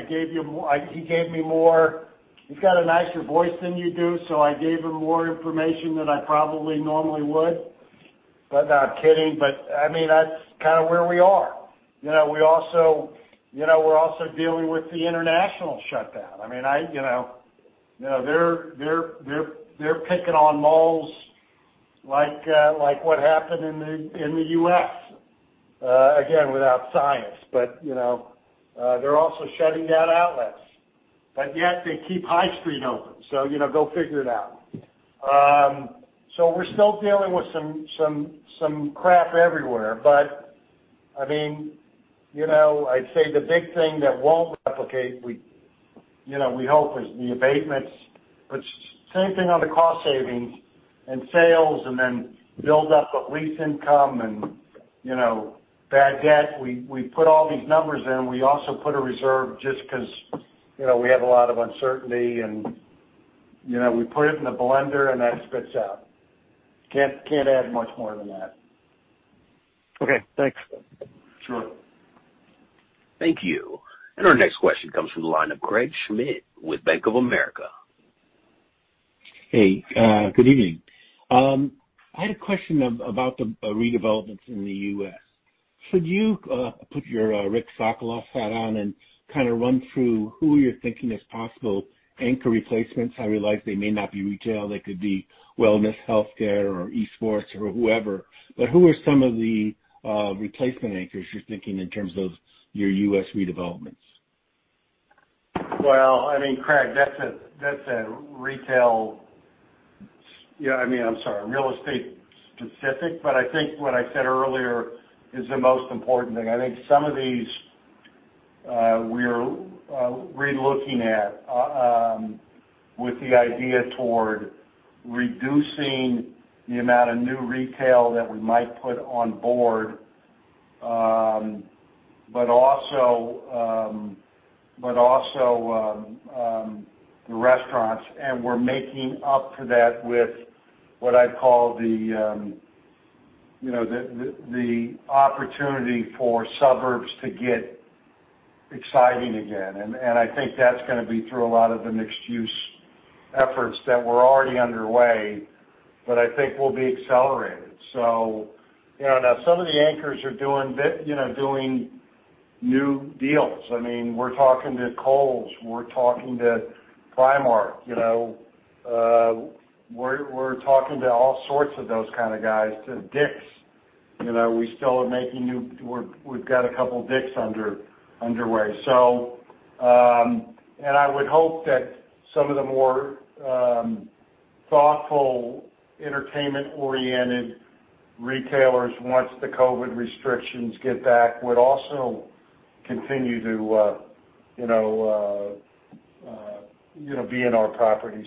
S3: He's got a nicer voice than you do, I gave him more information than I probably normally would. No, I'm kidding, that's kind of where we are. We're also dealing with the international shutdown. They're picking on malls like what happened in the U.S., again, without science. They keep High Street open, go figure it out. We're still dealing with some crap everywhere. I'd say the big thing that won't replicate, we hope, is the abatements. Same thing on the cost savings and sales and then build up of lease income and bad debt. We put all these numbers in. We also put a reserve just because we have a lot of uncertainty, and we put it in a blender and that spits out. Can't add much more than that.
S9: Okay, thanks.
S3: Sure.
S1: Thank you. Our next question comes from the line of Craig Schmidt with Bank of America.
S10: Hey, good evening. I had a question about the redevelopments in the U.S. Could you put your Rick Sokolov hat on and kind of run through who you're thinking as possible anchor replacements? I realize they may not be retail, they could be wellness, healthcare, or e-sports or whoever. Who are some of the replacement anchors you're thinking in terms of your U.S. redevelopments?
S3: Well, Craig, that's retail I'm sorry, real estate specific, but I think what I said earlier is the most important thing. I think some of these, we're re-looking at with the idea toward reducing the amount of new retail that we might put on board, but also the restaurants. We're making up for that with what I'd call the opportunity for suburbs to get exciting again. I think that's going to be through a lot of the mixed-use efforts that were already underway, but I think will be accelerated. Now some of the anchors are doing new deals. We're talking to Kohl's, we're talking to Primark. We're talking to all sorts of those kind of guys, to DICK'S. We've got a couple DICK'S underway. I would hope that some of the more thoughtful, entertainment-oriented retailers, once the COVID restrictions get back, would also continue to be in our property.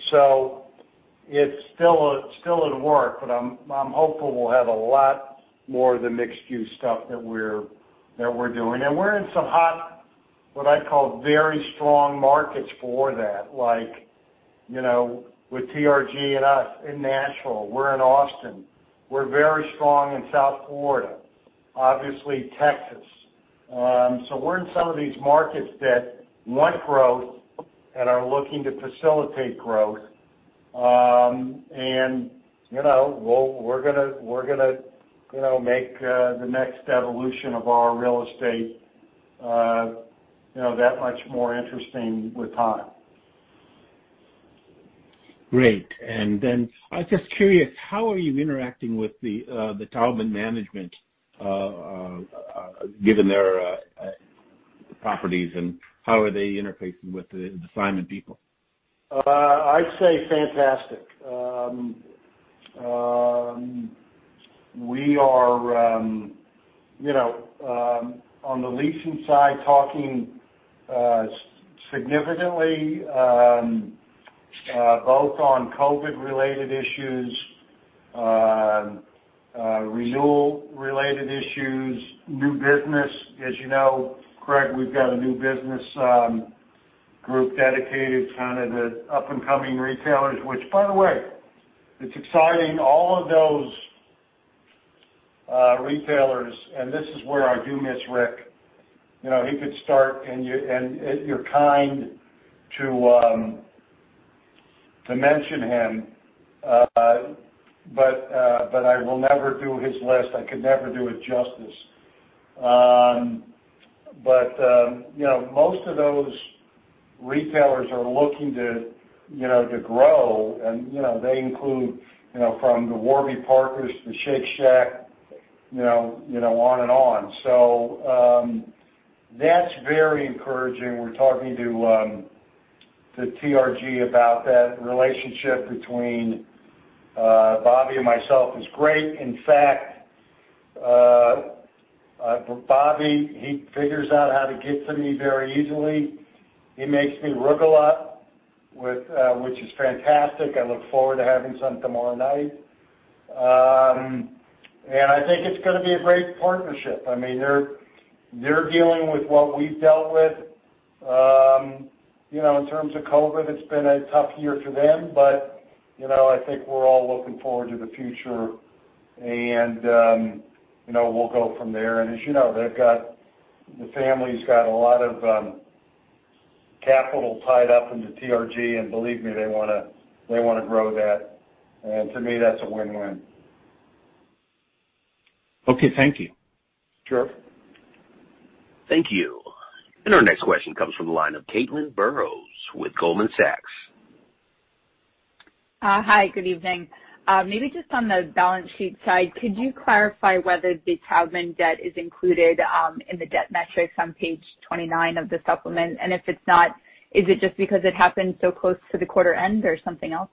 S3: It's still at work, but I'm hopeful we'll have a lot more of the mixed-use stuff that we're doing. We're in some hot, what I'd call very strong markets for that. Like, with TRG and us in Nashville. We're in Austin. We're very strong in South Florida, obviously Texas. We're in some of these markets that want growth and are looking to facilitate growth. We're going to make the next evolution of our real estate that much more interesting with time.
S10: Great, I was just curious, how are you interacting with the Taubman management, given their properties, and how are they interfacing with the Simon people?
S3: I'd say fantastic. We are, on the leasing side, talking significantly, both on COVID related issues, renewal related issues, new business. As you know, Craig, we've got a new business group dedicated to kind of the up and coming retailers. Which, by the way, it's exciting. All of those retailers. This is where I do miss Rick. He could start. You're kind to mention him. I will never do his list. I could never do it justice. Most of those retailers are looking to grow and they include from the Warby Parker to Shake Shack, on and on. That's very encouraging. We're talking to TRG about that relationship between Bobby and myself is great. In fact, Bobby, he figures out how to get to me very easily. He makes me rugelach, which is fantastic. I look forward to having some tomorrow night. I think it's going to be a great partnership. They're dealing with what we've dealt with. In terms of COVID, it's been a tough year for them, but I think we're all looking forward to the future and we'll go from there. As you know, the family's got a lot of capital tied up into TRG, and believe me, they want to grow that. To me, that's a win-win.
S10: Okay. Thank you.
S3: Sure.
S1: Thank you. Our next question comes from the line of Caitlin Burrows with Goldman Sachs.
S11: Hi, good evening. Maybe just on the balance sheet side, could you clarify whether the Taubman debt is included in the debt metrics on page 29 of the supplement? If it's not, is it just because it happened so close to the quarter end or something else?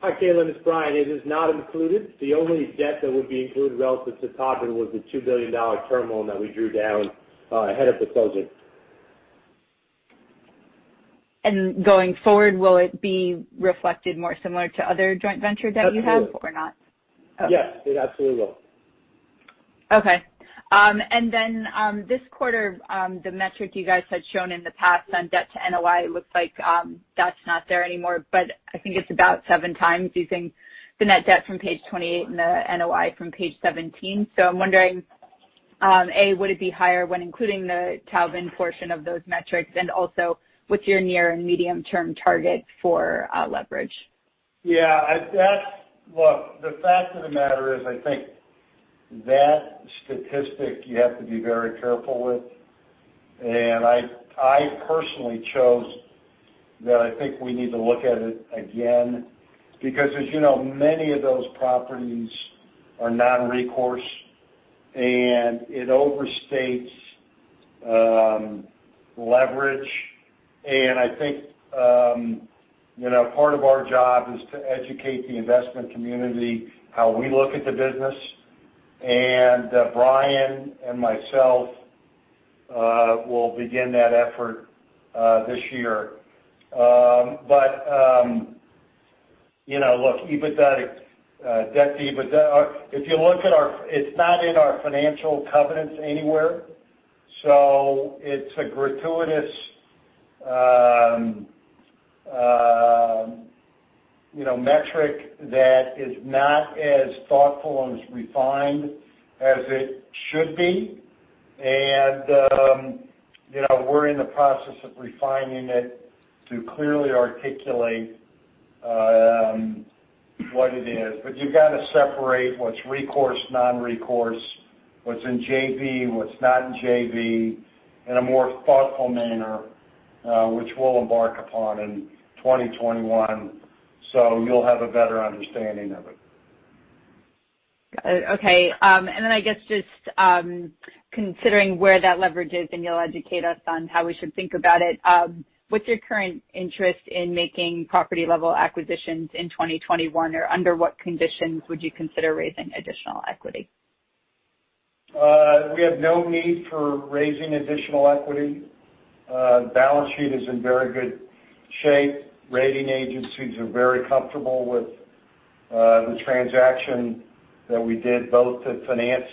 S6: Hi, Caitlin, it's Brian. It is not included. The only debt that would be included relative to Taubman was the $2 billion term loan that we drew down ahead of the closing.
S11: Going forward, will it be reflected more similar to other joint venture debt you have or not?
S6: Yes, it absolutely will.
S11: Okay. This quarter, the metric you guys had shown in the past on debt to NOI, looks like that's not there anymore, but I think it's about seven times using the net debt from page 28 and the NOI from page 17. I'm wondering, A, would it be higher when including the Taubman portion of those metrics? What's your near and medium-term target for leverage?
S3: Yeah. Look, the fact of the matter is, I think that statistic you have to be very careful with, and I personally chose that I think we need to look at it again because as you know, many of those properties are non-recourse and it overstates leverage. I think part of our job is to educate the investment community how we look at the business, and Brian and myself will begin that effort this year. Look, if you look at our It's not in our financial covenants anywhere, so it's a gratuitous metric that is not as thoughtful and as refined as it should be. We're in the process of refining it to clearly articulate what it is. You've got to separate what's recourse, non-recourse, what's in JV, what's not in JV in a more thoughtful manner, which we'll embark upon in 2021, so you'll have a better understanding of it.
S11: Got it. Okay. I guess just considering where that leverage is, and you'll educate us on how we should think about it, what's your current interest in making property-level acquisitions in 2021? Or under what conditions would you consider raising additional equity?
S3: We have no need for raising additional equity. Balance sheet is in very good shape. Rating agencies are very comfortable with the transaction that we did both to finance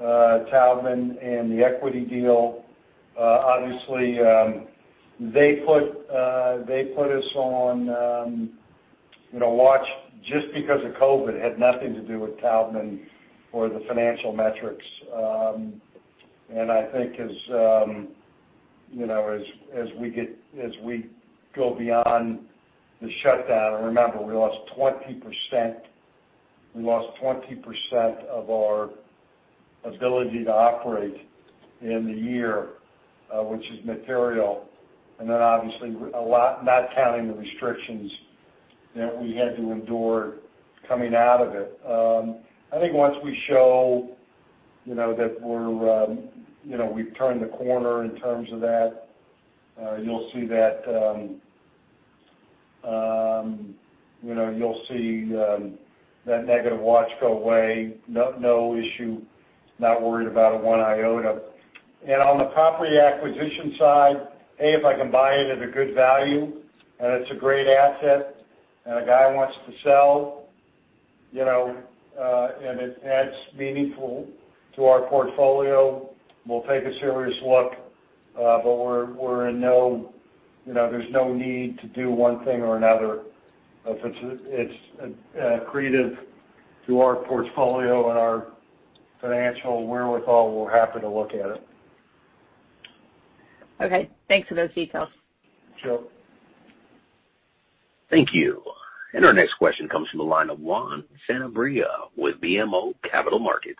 S3: Taubman and the equity deal. They put us on watch just because of COVID. Had nothing to do with Taubman or the financial metrics. I think as we go beyond the shutdown, and remember we lost 20% of our ability to operate in the year, which is material, and then obviously not counting the restrictions that we had to endure coming out of it. I think once we show that we've turned the corner in terms of that, you'll see that negative watch go away. No issue. Not worried about it one iota. On the property acquisition side, if I can buy it at a good value and it's a great asset and a guy wants to sell, and it adds meaningful to our portfolio, we'll take a serious look. There's no need to do one thing or another. If it's accretive to our portfolio and our financial wherewithal, we're happy to look at it.
S11: Okay. Thanks for those details.
S3: Sure.
S1: Thank you. Our next question comes from the line of Juan Sanabria with BMO Capital Markets.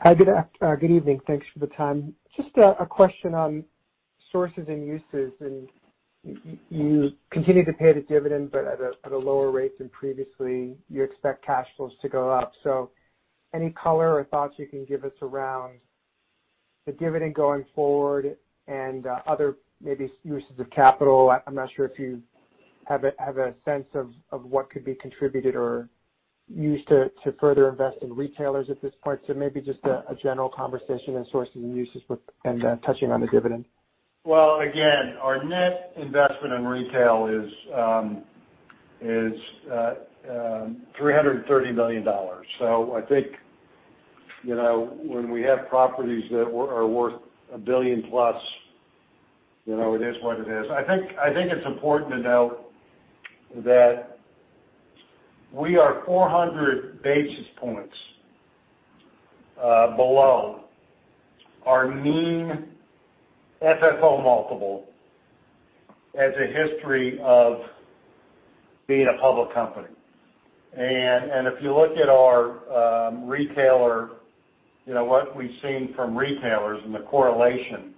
S12: Hi, good evening. Thanks for the time. Just a question on sources and uses, you continue to pay the dividend, but at a lower rate than previously you expect cash flows to go up. Any color or thoughts you can give us around the dividend going forward and other maybe uses of capital? I'm not sure if you have a sense of what could be contributed or used to further invest in retailers at this point. Maybe just a general conversation on sources and uses with and then touching on the dividend.
S3: Well, again, our net investment in retail is $330 million. I think, when we have properties that are worth a billion plus, it is what it is. I think it's important to note that we are 400 basis points below our mean FFO multiple as a history of being a public company. If you look at our retailer, what we've seen from retailers and the correlation,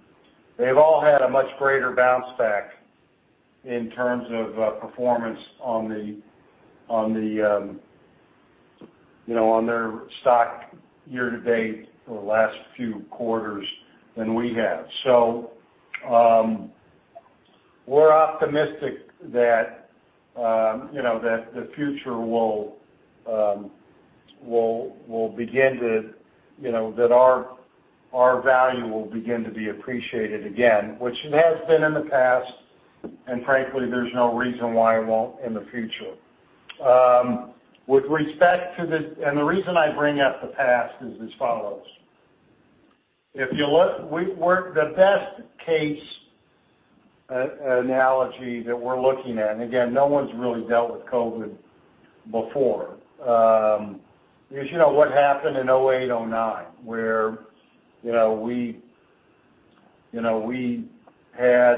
S3: they've all had a much greater bounce back in terms of performance on their stock year to date for the last few quarters than we have. We're optimistic that our value will begin to be appreciated again, which it has been in the past, and frankly, there's no reason why it won't in the future. The reason I bring up the past is as follows. The best case analogy that we're looking at, again, no one's really dealt with COVID before, is what happened in 2008, 2009, where we had,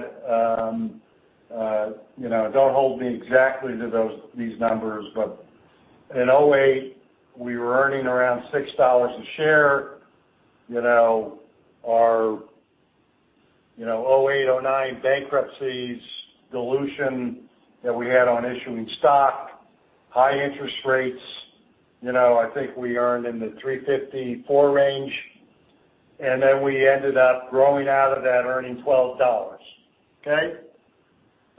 S3: don't hold me exactly to these numbers, but in 2008, we were earning around $6 a share. Our 2008, 2009 bankruptcies dilution that we had on issuing stock, high interest rates, I think we earned in the $3.54 range, then we ended up growing out of that, earning $12. Okay.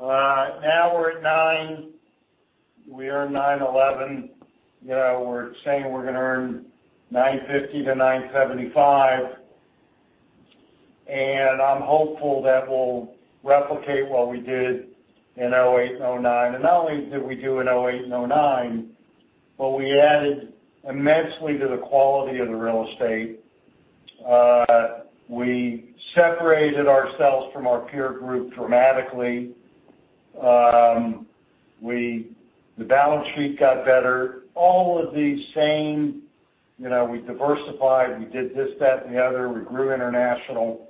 S3: Now we're at $9. We earn $9.11. We're saying we're going to earn $9.50-$9.75, I'm hopeful that we'll replicate what we did in 2008 and 2009. Not only did we do in 2008 and 2009, but we added immensely to the quality of the real estate. We separated ourselves from our peer group dramatically. The balance sheet got better. All of these same, we diversified, we did this, that, and the other. We grew international.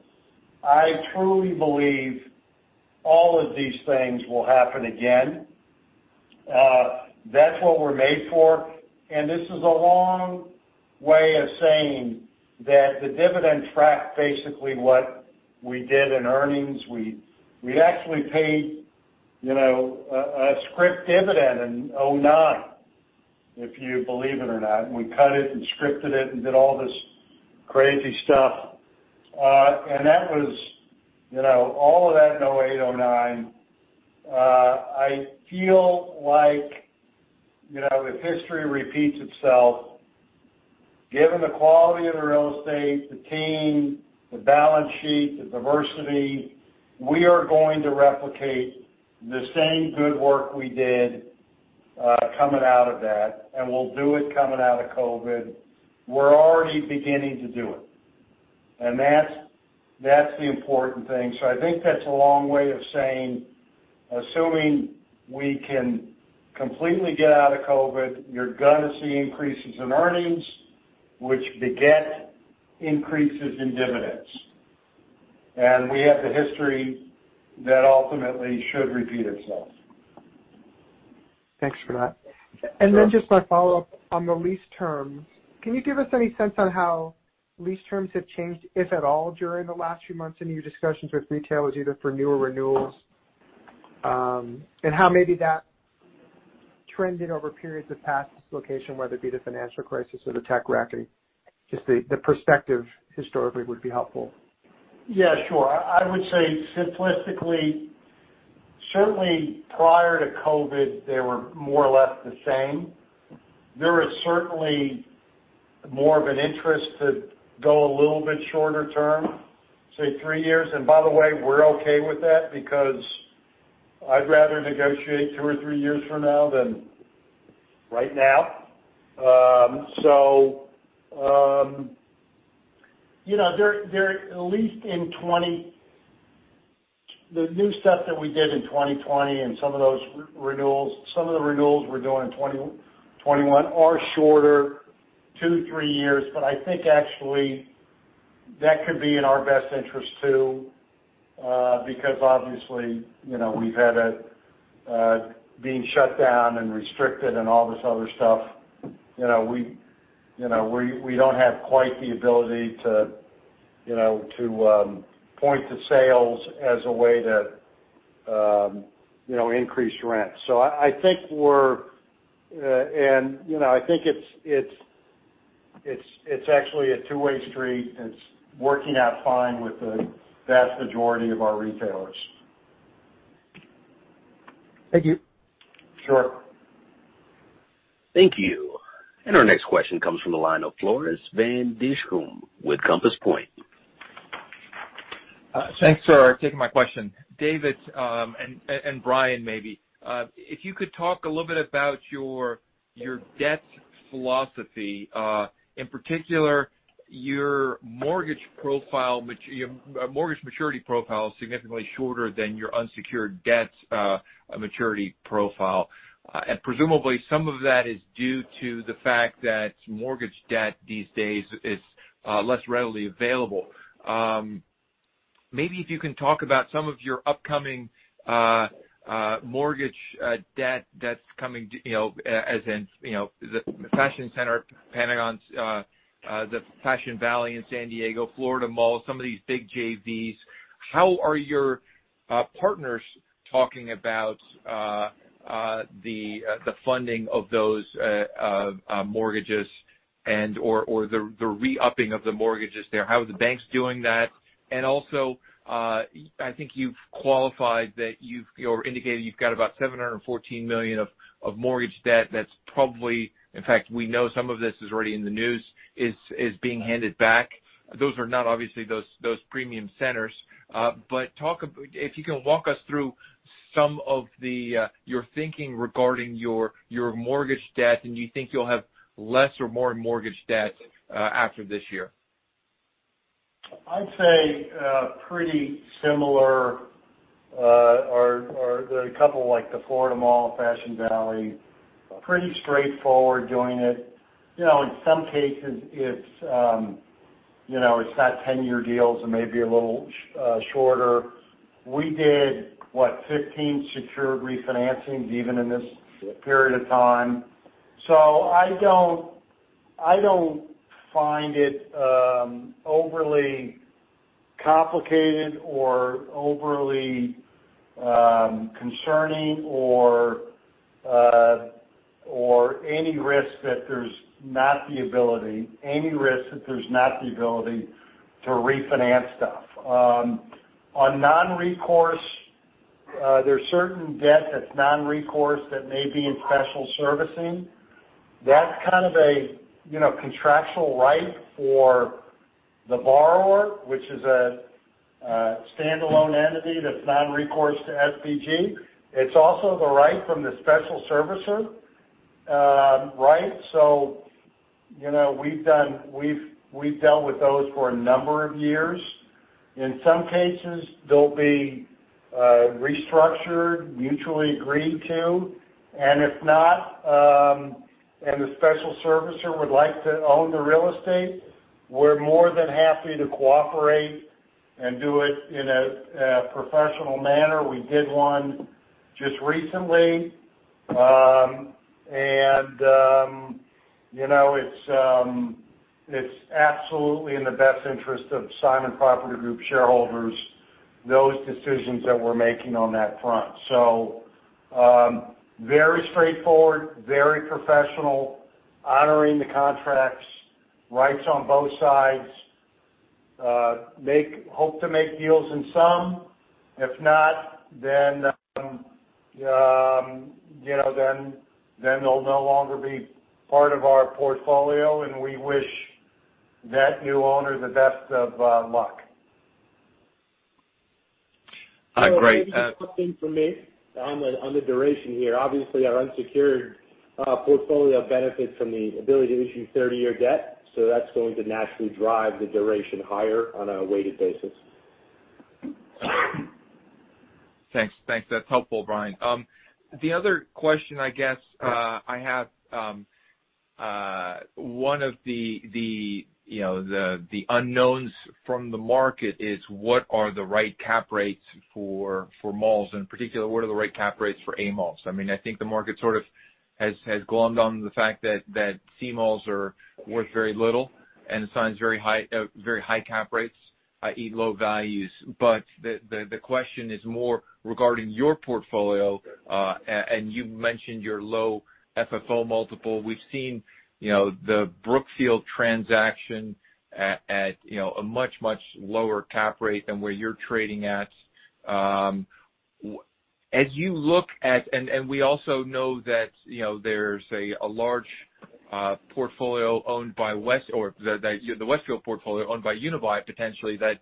S3: I truly believe all of these things will happen again. That's what we're made for. This is a long way of saying that the dividend tracked basically what we did in earnings. We actually paid a scrip dividend in 2009, if you believe it or not. We cut it and scripted it and did all this crazy stuff. That was all of that in 2008, 2009. I feel like, if history repeats itself, given the quality of the real estate, the team, the balance sheet, the diversity, we are going to replicate the same good work we did, coming out of that, and we'll do it coming out of COVID. We're already beginning to do it. That's the important thing. I think that's a long way of saying, assuming we can completely get out of COVID, you're going to see increases in earnings, which beget increases in dividends. We have the history that ultimately should repeat itself.
S12: Thanks for that.
S3: Sure.
S12: Just my follow-up on the lease terms. Can you give us any sense on how lease terms have changed, if at all, during the last few months in your discussions with retailers, either for new or renewals, and how maybe that trended over periods of past dislocation, whether it be the financial crisis or the tech reckoning? Just the perspective historically would be helpful.
S3: Yeah, sure. I would say simplistically, certainly prior to COVID, they were more or less the same. There is certainly more of an interest to go a little bit shorter term, say three years. By the way, we're okay with that because I'd rather negotiate two or three years from now than right now. There are at least the new stuff that we did in 2020 and some of those renewals, some of the renewals we're doing in 2021 are shorter, two, three years. I think actually that could be in our best interest too, because obviously, we've had it being shut down and restricted and all this other stuff. We don't have quite the ability to point to sales as a way to increase rent. I think it's actually a two-way street. It's working out fine with the vast majority of our retailers.
S12: Thank you.
S3: Sure.
S1: Thank you. Our next question comes from the line of Floris van Dijkum with Compass Point.
S13: Thanks for taking my question. David, Brian, maybe if you could talk a little bit about your debt philosophy, in particular, your mortgage maturity profile is significantly shorter than your unsecured debt's maturity profile. Presumably, some of that is due to the fact that mortgage debt these days is less readily available. Maybe if you can talk about some of your upcoming mortgage debt that's coming, as in, the Fashion Centre, Pentagon, the Fashion Valley in San Diego, Florida Mall, some of these big JVs. How are your partners talking about the funding of those mortgages and/or the re-upping of the mortgages there? How are the banks doing that? Also, I think you've qualified or indicated you've got about $714 million of mortgage debt that's probably, in fact, we know some of this is already in the news, is being handed back. Those are not, obviously, those premium centers. If you can walk us through some of your thinking regarding your mortgage debt, and you think you'll have less or more mortgage debt after this year?
S3: I'd say pretty similar. There are a couple like the Florida Mall, Fashion Valley, pretty straightforward doing it. In some cases, it's not 10-year deals, it may be a little shorter. We did, what, 15 secured refinancings even in this period of time. I don't find it overly complicated or overly concerning or any risk that there's not the ability to refinance stuff. On non-recourse, there's certain debt that's non-recourse that may be in special servicing. That's kind of a contractual right for the borrower, which is a standalone entity that's non-recourse to SPG. It's also the right from the special servicer. We've dealt with those for a number of years. In some cases, they'll be restructured, mutually agreed to. If not, and the special servicer would like to own the real estate, we're more than happy to cooperate and do it in a professional manner. We did one just recently. It's absolutely in the best interest of Simon Property Group shareholders, those decisions that we're making on that front. Very straightforward, very professional, honoring the contracts, rights on both sides. Hope to make deals in some. If not, then they'll no longer be part of our portfolio, and we wish that new owner the best of luck.
S13: Great.
S6: Maybe just something from me on the duration here. Obviously, our unsecured portfolio benefits from the ability to issue 30-year debt, so that's going to naturally drive the duration higher on a weighted basis.
S13: Thanks. That's helpful, Brian. The other question I have, one of the unknowns from the market is what are the right cap rates for malls, and in particular, what are the right cap rates for A malls? I think the market sort of has glommed on to the fact that C malls are worth very little and signs very high cap rates, i.e., low values. The question is more regarding your portfolio, and you mentioned your low FFO multiple. We've seen the Brookfield transaction at a much, much lower cap rate than where you're trading at. We also know that there's a large portfolio, the Westfield portfolio owned by Unibail, potentially, that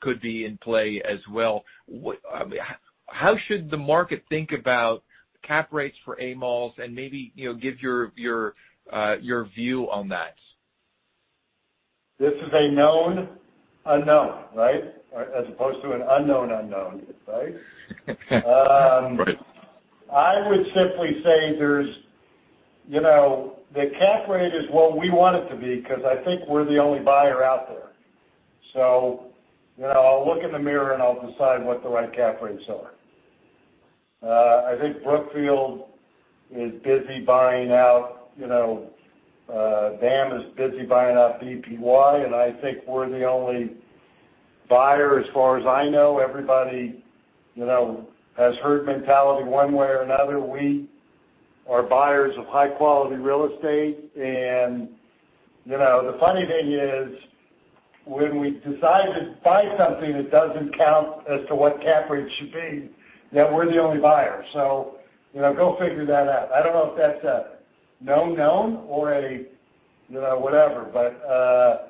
S13: could be in play as well. How should the market think about cap rates for A malls, and maybe give your view on that.
S3: This is a known unknown, right? As opposed to an unknown unknown, right?
S13: Right.
S3: I would simply say the cap rate is what we want it to be, because I think we're the only buyer out there. I'll look in the mirror and I'll decide what the right cap rates are. I think Brookfield is busy. BAM is busy buying out BPY, and I think we're the only buyer as far as I know. Everybody has herd mentality one way or another. We are buyers of high-quality real estate. The funny thing is, when we decide to buy something that doesn't count as to what cap rates should be, then we're the only buyer. Go figure that out. I don't know if that's a known known or a whatever. The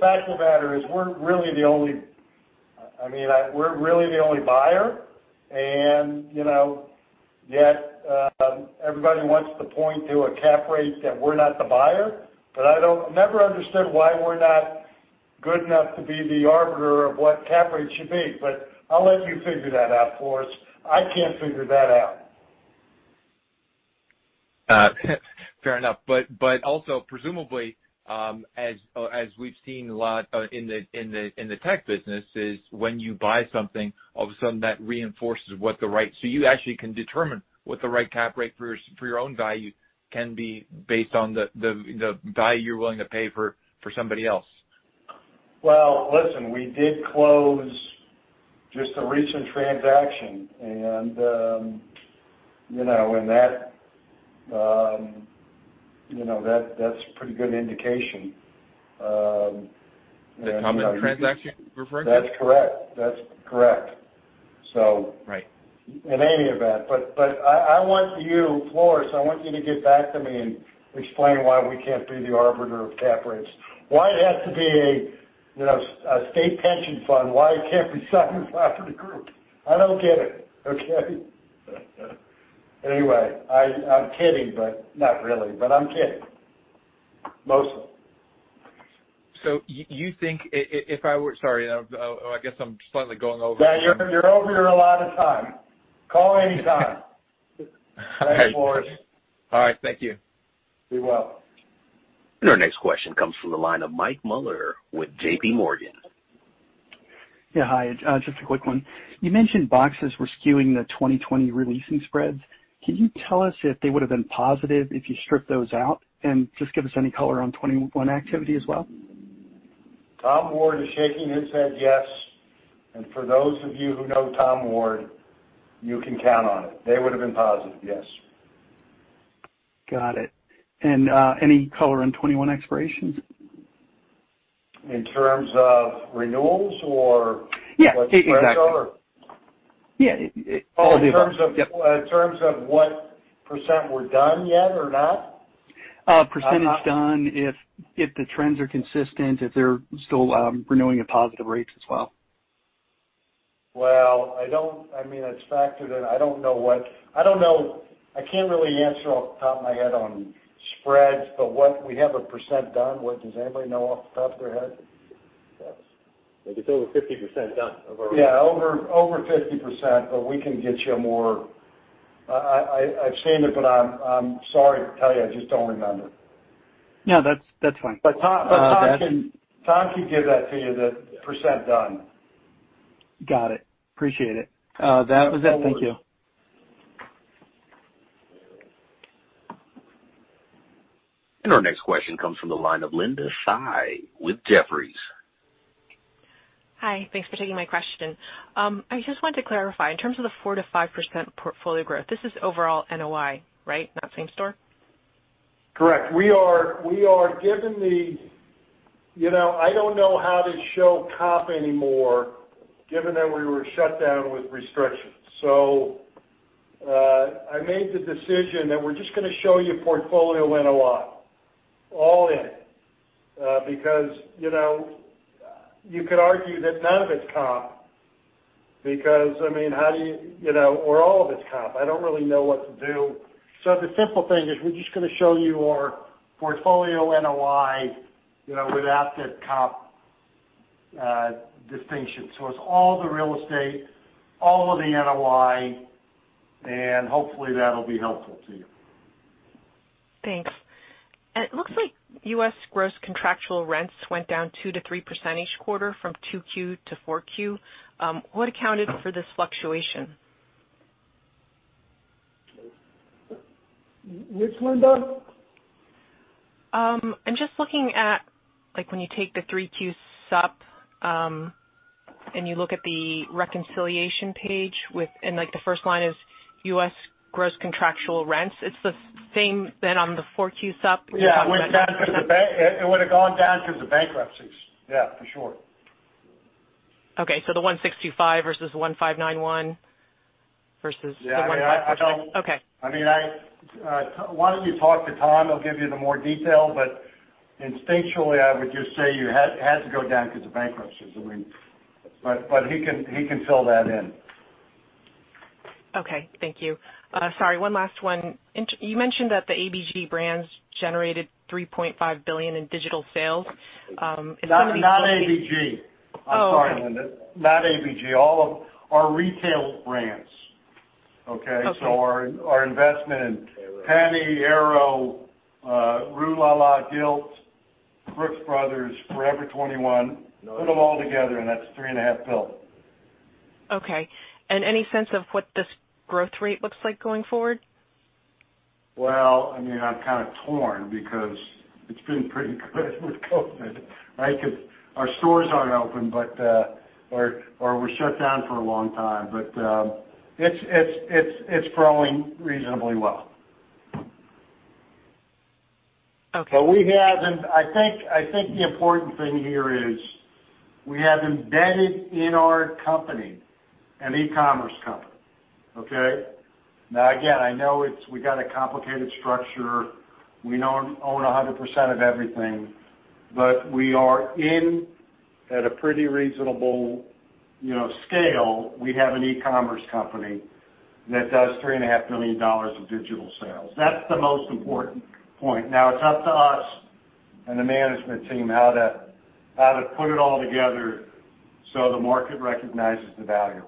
S3: fact of the matter is we're really the only buyer, and yet everybody wants to point to a cap rate that we're not the buyer. I never understood why we're not good enough to be the arbiter of what cap rates should be. I'll let you figure that out for us. I can't figure that out.
S13: Fair enough. Also presumably, as we've seen a lot in the tech business, is when you buy something, all of a sudden that reinforces. You actually can determine what the right cap rate for your own value can be based on the value you're willing to pay for somebody else.
S3: Well, listen, we did close just a recent transaction and that's a pretty good indication.
S13: The common transaction you're referring to?
S3: That's correct.
S13: Right.
S3: In any event. I want you, Floris, I want you to get back to me and explain why we can't be the arbiter of cap rates. Why it has to be a state pension fund, why it can't be Simon Property Group? I don't get it, okay? I'm kidding, but not really, but I'm kidding. Mostly.
S13: you think sorry, I guess I'm slightly going over.
S3: Yeah, you're over a lot of time. Call anytime. Thanks, Floris.
S13: All right, thank you.
S3: You're welcome.
S1: Our next question comes from the line of Mike Mueller with JPMorgan.
S14: Yeah, hi. Just a quick one. You mentioned boxes were skewing the 2020 releasing spreads. Can you tell us if they would've been positive if you strip those out? Just give us any color on 2021 activity as well.
S3: Tom Ward is shaking his head yes. For those of you who know Tom Ward, you can count on it. They would've been positive, yes.
S14: Got it. Any color on 2021 expirations?
S3: In terms of renewals.
S14: Yeah, exactly.
S3: what spreads are?
S14: Yeah. All the above. Yep.
S3: Oh, in terms of what percent we're done yet or not?
S14: Percentage done, if the trends are consistent, if they're still renewing at positive rates as well.
S3: Well, it's factored in. I can't really answer off the top of my head on spreads, what we have a percent done. Does anybody know off the top of their head?
S6: Yes. I think it's over 50% done.
S3: Yeah, over 50%, but we can get you more. I've seen it, but I'm sorry to tell you, I just don't remember.
S14: No, that's fine.
S3: Tom can give that to you, the percent done.
S14: Got it. Appreciate it. That was it. Thank you.
S3: You're welcome.
S1: Our next question comes from the line of Linda Tsai with Jefferies.
S15: Hi. Thanks for taking my question. I just wanted to clarify, in terms of the 4%-5% portfolio growth, this is overall NOI, right? Not same store?
S3: Correct. I don't know how to show comp anymore given that we were shut down with restrictions. I made the decision that we're just going to show you portfolio NOI, all in. You could argue that none of it's comp, because how do you, or all of it's comp. I don't really know what to do. The simple thing is we're just going to show you our portfolio NOI without the comp distinction. It's all the real estate, all of the NOI, and hopefully that'll be helpful to you.
S15: Thanks. It looks like U.S. gross contractual rents went down 2%-3% each quarter from 2Q to 4Q. What accounted for this fluctuation?
S3: Which Linda?
S15: I'm just looking at when you take the 3Q supp, and you look at the reconciliation page, and the first line is U.S. gross contractual rents. It's the same then on the 4Q supp.
S3: Yeah. It would've gone down because of the bankruptcies. Yeah, for sure.
S15: Okay. The 165 versus 1591.
S3: Yeah. I know.
S15: Okay.
S3: Why don't you talk to Tom? He'll give you the more detail, but instinctually, I would just say it had to go down because of bankruptcies. He can fill that in.
S15: Okay. Thank you. Sorry, one last one. You mentioned that the ABG brands generated $3.5 billion in digital sales.
S3: That was not ABG. I'm sorry, Linda. Not ABG, all of our retail brands. Okay?
S15: Okay.
S3: Our investment in Penney, Aero, Rue La La, Gilt, Brooks Brothers, Forever 21, put them all together, and that's $3.5 billion.
S15: Okay. Any sense of what this growth rate looks like going forward?
S3: Well, I'm kind of torn because it's been pretty good with COVID, right? Because our stores aren't open, or were shut down for a long time. It's growing reasonably well.
S15: Okay.
S3: I think the important thing here is we have embedded in our company an e-commerce company. Okay? Again, I know we got a complicated structure. We don't own 100% of everything, but we are in, at a pretty reasonable scale, we have an e-commerce company that does $3.5 billion of digital sales. That's the most important point. It's up to us and the management team how to put it all together so the market recognizes the value.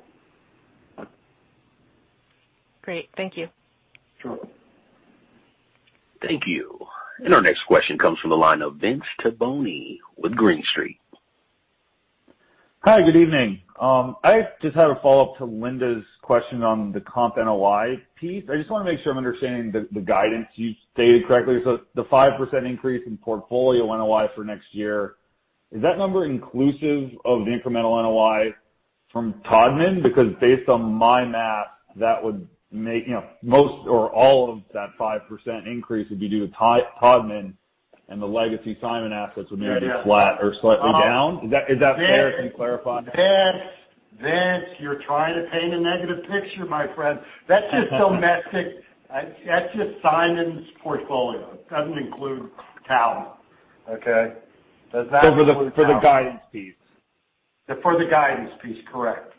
S15: Great. Thank you.
S3: Sure.
S1: Thank you. Our next question comes from the line of Vince Tibone with Green Street.
S16: Hi, good evening. I just had a follow-up to Linda's question on the comp NOI piece. I just want to make sure I'm understanding the guidance you stated correctly. The 5% increase in portfolio NOI for next year, is that number inclusive of the incremental NOI from Taubman? Because based on my math, most or all of that 5% increase would be due to Taubman, and the legacy Simon assets would be either flat or slightly down. Is that fair? Can you clarify?
S3: Vince, you're trying to paint a negative picture, my friend. That's just domestic. That's just Simon's portfolio. It doesn't include Taubman. Okay?
S16: For the guidance piece?
S3: For the guidance piece, correct.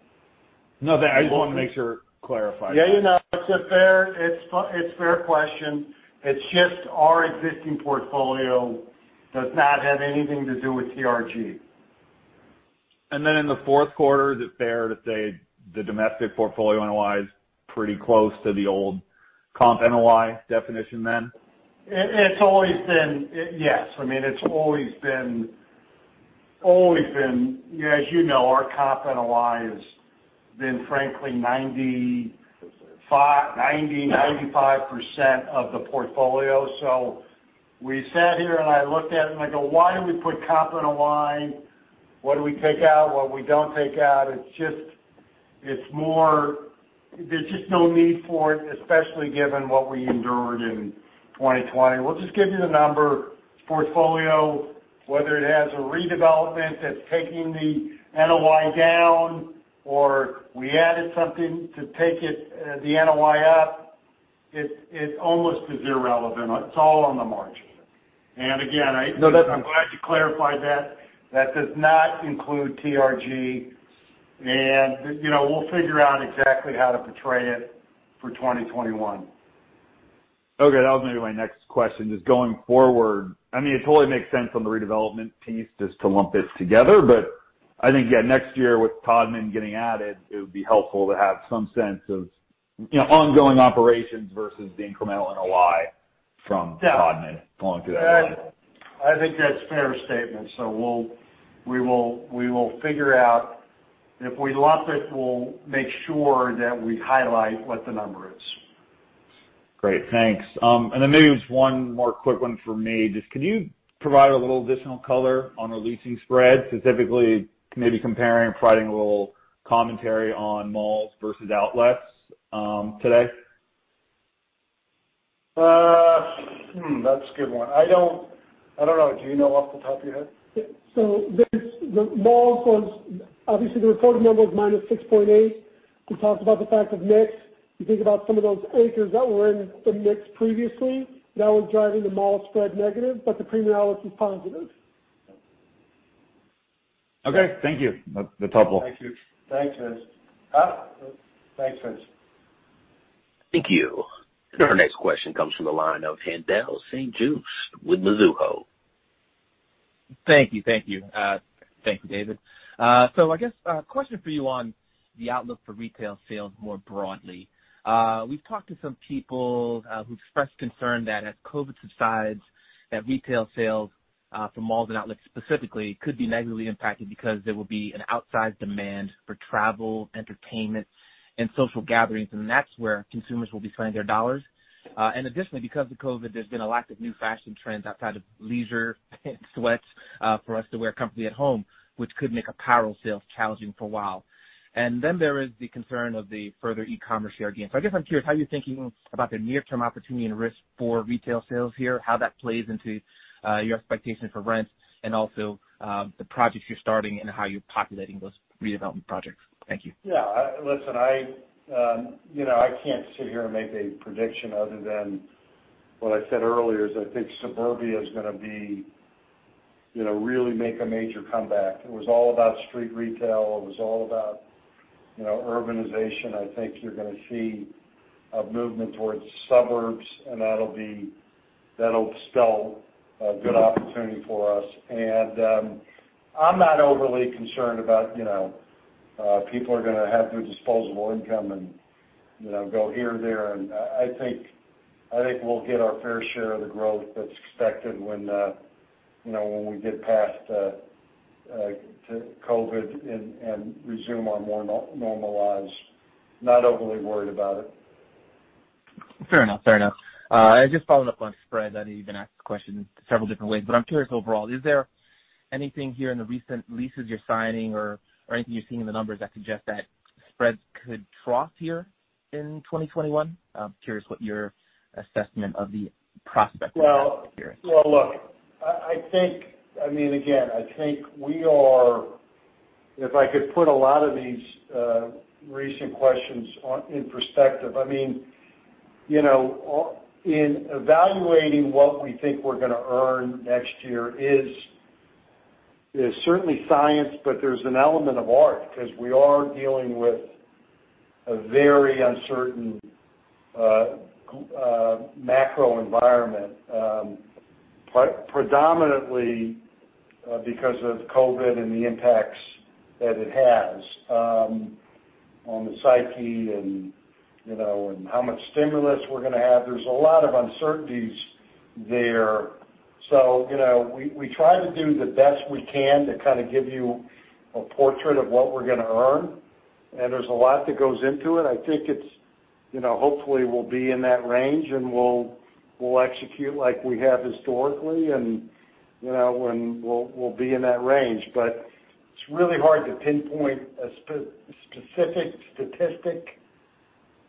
S16: No, I just wanted to make sure, clarify.
S3: Yeah, it's a fair question. It's just our existing portfolio does not have anything to do with TRG.
S16: Then in the fourth quarter, is it fair to say the domestic portfolio NOI is pretty close to the old comp NOI definition, then?
S3: Yes, it's always been, as you know, our comp NOI has been, frankly, 90%-95% of the portfolio. We sat here, and I looked at it, and I go, "Why do we put comp NOI? What do we take out? What we don't take out?" There's just no need for it, especially given what we endured in 2020. We'll just give you the number. Portfolio, whether it has a redevelopment that's taking the NOI down, or we added something to take the NOI up, it's almost irrelevant. It's all on the margin. Again, I'm glad to clarify that. That does not include TRG. We'll figure out exactly how to portray it for 2021.
S16: Okay, that was going to be my next question, just going forward. It totally makes sense from the redevelopment piece just to lump this together. I think, yeah, next year with Taubman getting added, it would be helpful to have some sense of ongoing operations versus the incremental NOI from Taubman going through that.
S3: I think that's a fair statement. We will figure out. If we lump it, we'll make sure that we highlight what the number is.
S16: Great, thanks. Maybe just one more quick one for me. Just could you provide a little additional color on the leasing spread, specifically maybe comparing, providing a little commentary on malls versus outlets today?
S3: That's a good one. I don't know. Do you know off the top of your head?
S2: The malls ones, obviously, the reported number was -6.8. We talked about the fact of mix. You think about some of those anchors that were in the mix previously, now it's driving the mall spread negative, but the Premium Outlets is positive.
S16: Okay, thank you.
S2: No problem.
S3: Thank you. Thanks, Vince.
S1: Thank you.
S3: Sure.
S1: Our next question comes from the line of Haendel St. Juste with Mizuho.
S17: Thank you. Thank you, David. I guess a question for you on the outlook for retail sales more broadly. We've talked to some people who've expressed concern that as COVID subsides, that retail sales from malls and outlets specifically could be negatively impacted because there will be an outsized demand for travel, entertainment, and social gatherings, and that's where consumers will be spending their dollars. Additionally, because of COVID, there's been a lack of new fashion trends outside of leisure and sweats for us to wear comfortably at home, which could make apparel sales challenging for a while. There is the concern of the further e-commerce share gains. I guess I'm curious how you're thinking about the near-term opportunity and risk for retail sales here, how that plays into your expectations for rents and also the projects you're starting and how you're populating those redevelopment projects. Thank you.
S3: Yeah. Listen, I can't sit here and make a prediction other than what I said earlier, is I think suburbia is going to really make a major comeback. It was all about street retail. It was all about urbanization, I think you're going to see a movement towards suburbs, and that'll spell a good opportunity for us. I'm not overly concerned about people are going to have their disposable income and go here and there. I think we'll get our fair share of the growth that's expected when we get past COVID and resume our more normalized. Not overly worried about it.
S17: Fair enough. Just following up on spreads. I know you've been asked the question several different ways, but I'm curious overall, is there anything here in the recent leases you're signing or anything you're seeing in the numbers that suggest that spreads could trough here in 2021? I'm curious what your assessment of the prospects are here.
S3: Look, again, if I could put a lot of these recent questions in perspective. In evaluating what we think we're going to earn next year is certainly science, but there's an element of art because we are dealing with a very uncertain macro environment. Predominantly because of COVID and the impacts that it has on the psyche and how much stimulus we're going to have. There's a lot of uncertainties there. We try to do the best we can to kind of give you a portrait of what we're going to earn, and there's a lot that goes into it. Hopefully, we'll be in that range, and we'll execute like we have historically, and we'll be in that range. It's really hard to pinpoint a specific statistic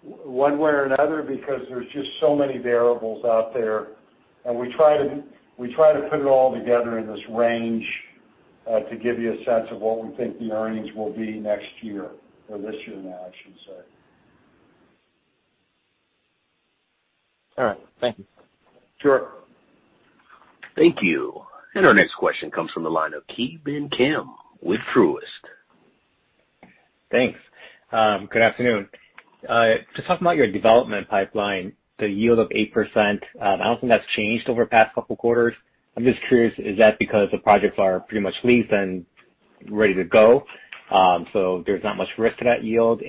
S3: one way or another because there's just so many variables out there, and we try to put it all together in this range to give you a sense of what we think the earnings will be next year, or this year now, I should say.
S17: All right. Thank you.
S3: Sure.
S1: Thank you. Our next question comes from the line of Ki Bin Kim with Truist.
S18: Thanks. Good afternoon. Just talking about your development pipeline, the yield of 8%, I don't think that's changed over the past couple of quarters. I'm just curious, is that because the projects are pretty much leased and ready to go, so there's not much risk to that yield?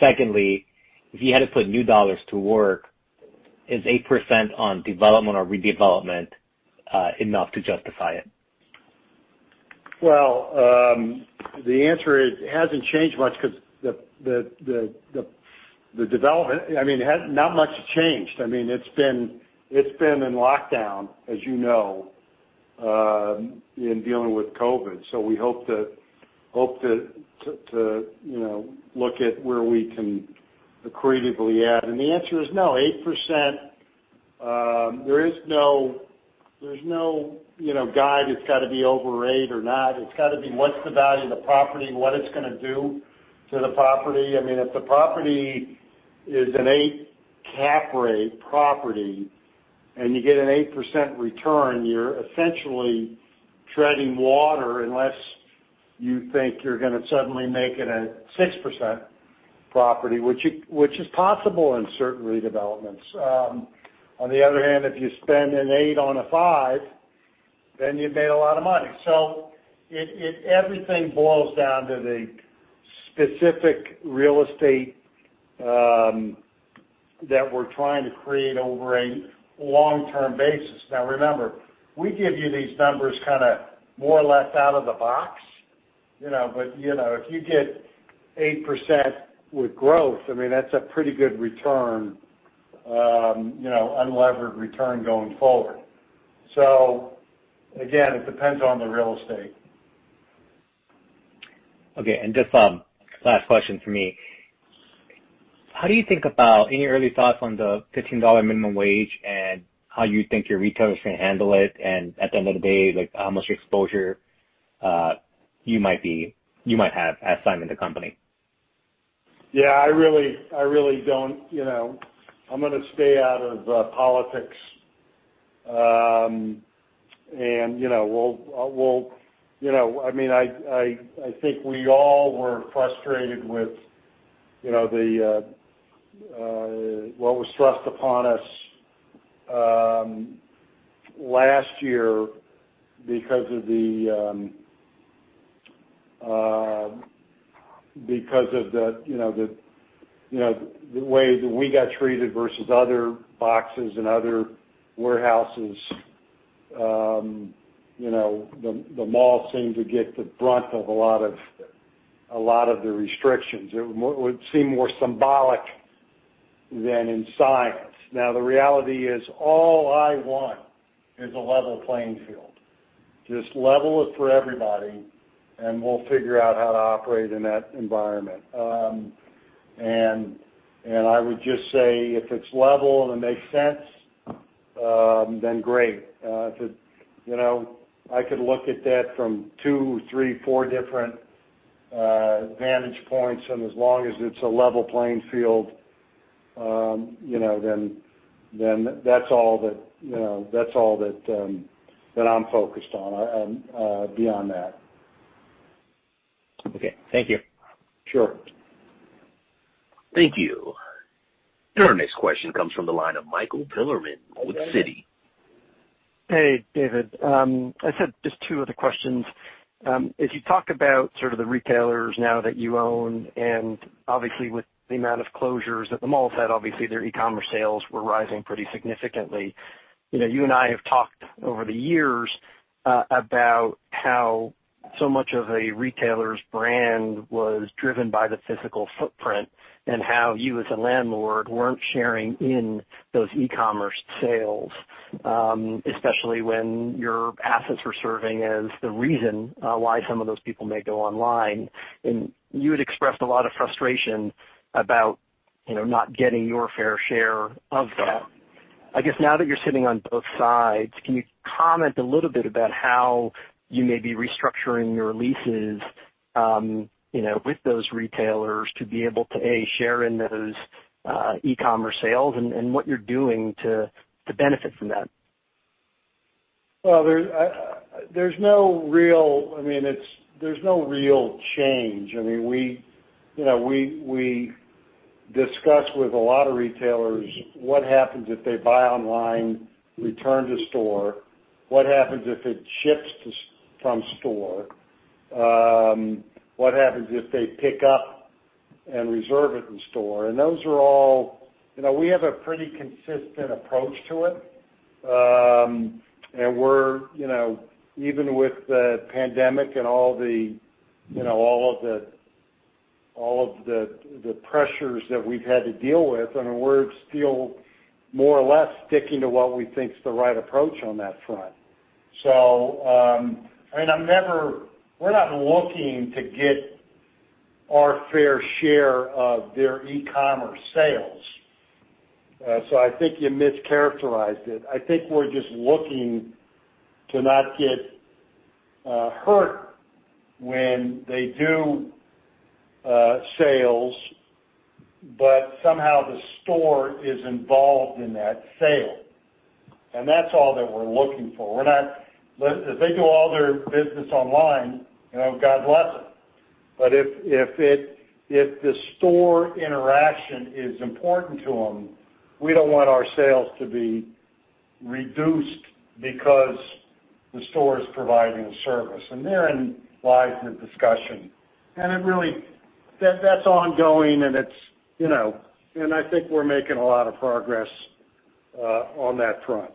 S18: Secondly, if you had to put new dollars to work, is 8% on development or redevelopment enough to justify it?
S3: Well, the answer is it hasn't changed much because the development, not much has changed. It's been in lockdown, as you know, in dealing with COVID. We hope to look at where we can accretively add. The answer is no. 8%, there's no guide it's got to be over eight or not. It's got to be what's the value of the property and what it's going to do to the property. If the property is an eight cap rate property and you get an 8% return, you're essentially treading water unless you think you're going to suddenly make it a 6% property, which is possible in certain redevelopments. On the other hand, if you spend an eight on a five, you've made a lot of money. Everything boils down to the specific real estate that we're trying to create over a long-term basis. Remember, we give you these numbers kind of more or less out of the box. If you get 8% with growth, that's a pretty good unlevered return going forward. Again, it depends on the real estate.
S18: Okay, just last question from me. Any early thoughts on the $15 minimum wage and how you think your retailers are going to handle it? At the end of the day, how much exposure you might have at Simon the company?
S3: Yeah, I really don't. I'm going to stay out of politics. I think we all were frustrated with what was thrust upon us last year because of the way that we got treated versus other boxes and other warehouses. The mall seemed to get the brunt of a lot of the restrictions. It would seem more symbolic than in science. The reality is all I want is a level playing field. Just level it for everybody, and we'll figure out how to operate in that environment. I would just say if it's level and it makes sense, then great. I could look at that from two, three, four different vantage points, and as long as it's a level playing field, then that's all that I'm focused on beyond that.
S18: Okay, thank you.
S3: Sure.
S1: Thank you. Your next question comes from the line of Michael Bilerman with Citi.
S9: Hey, David. I said just two other questions. If you talk about sort of the retailers now that you own, and obviously with the amount of closures that the malls had, obviously their e-commerce sales were rising pretty significantly. You and I have talked over the years, about how so much of a retailer's brand was driven by the physical footprint and how you as a landlord weren't sharing in those e-commerce sales, especially when your assets were serving as the reason why some of those people may go online. You had expressed a lot of frustration about not getting your fair share of that. I guess now that you're sitting on both sides, can you comment a little bit about how you may be restructuring your leases with those retailers to be able to, A, share in those e-commerce sales and what you're doing to benefit from that?
S3: Well, there's no real change. We discuss with a lot of retailers what happens if they buy online, return to store, what happens if it ships from store, what happens if they pick up and reserve it in store. We have a pretty consistent approach to it. Even with the pandemic and all of the pressures that we've had to deal with, we're still more or less sticking to what we think is the right approach on that front. We're not looking to get our fair share of their e-commerce sales. I think you mischaracterized it. I think we're just looking to not get hurt when they do sales, but somehow the store is involved in that sale. That's all that we're looking for. If they do all their business online, God bless them. If the store interaction is important to them, we don't want our sales to be reduced because the store is providing a service. Therein lies the discussion. That's ongoing, and I think we're making a lot of progress on that front.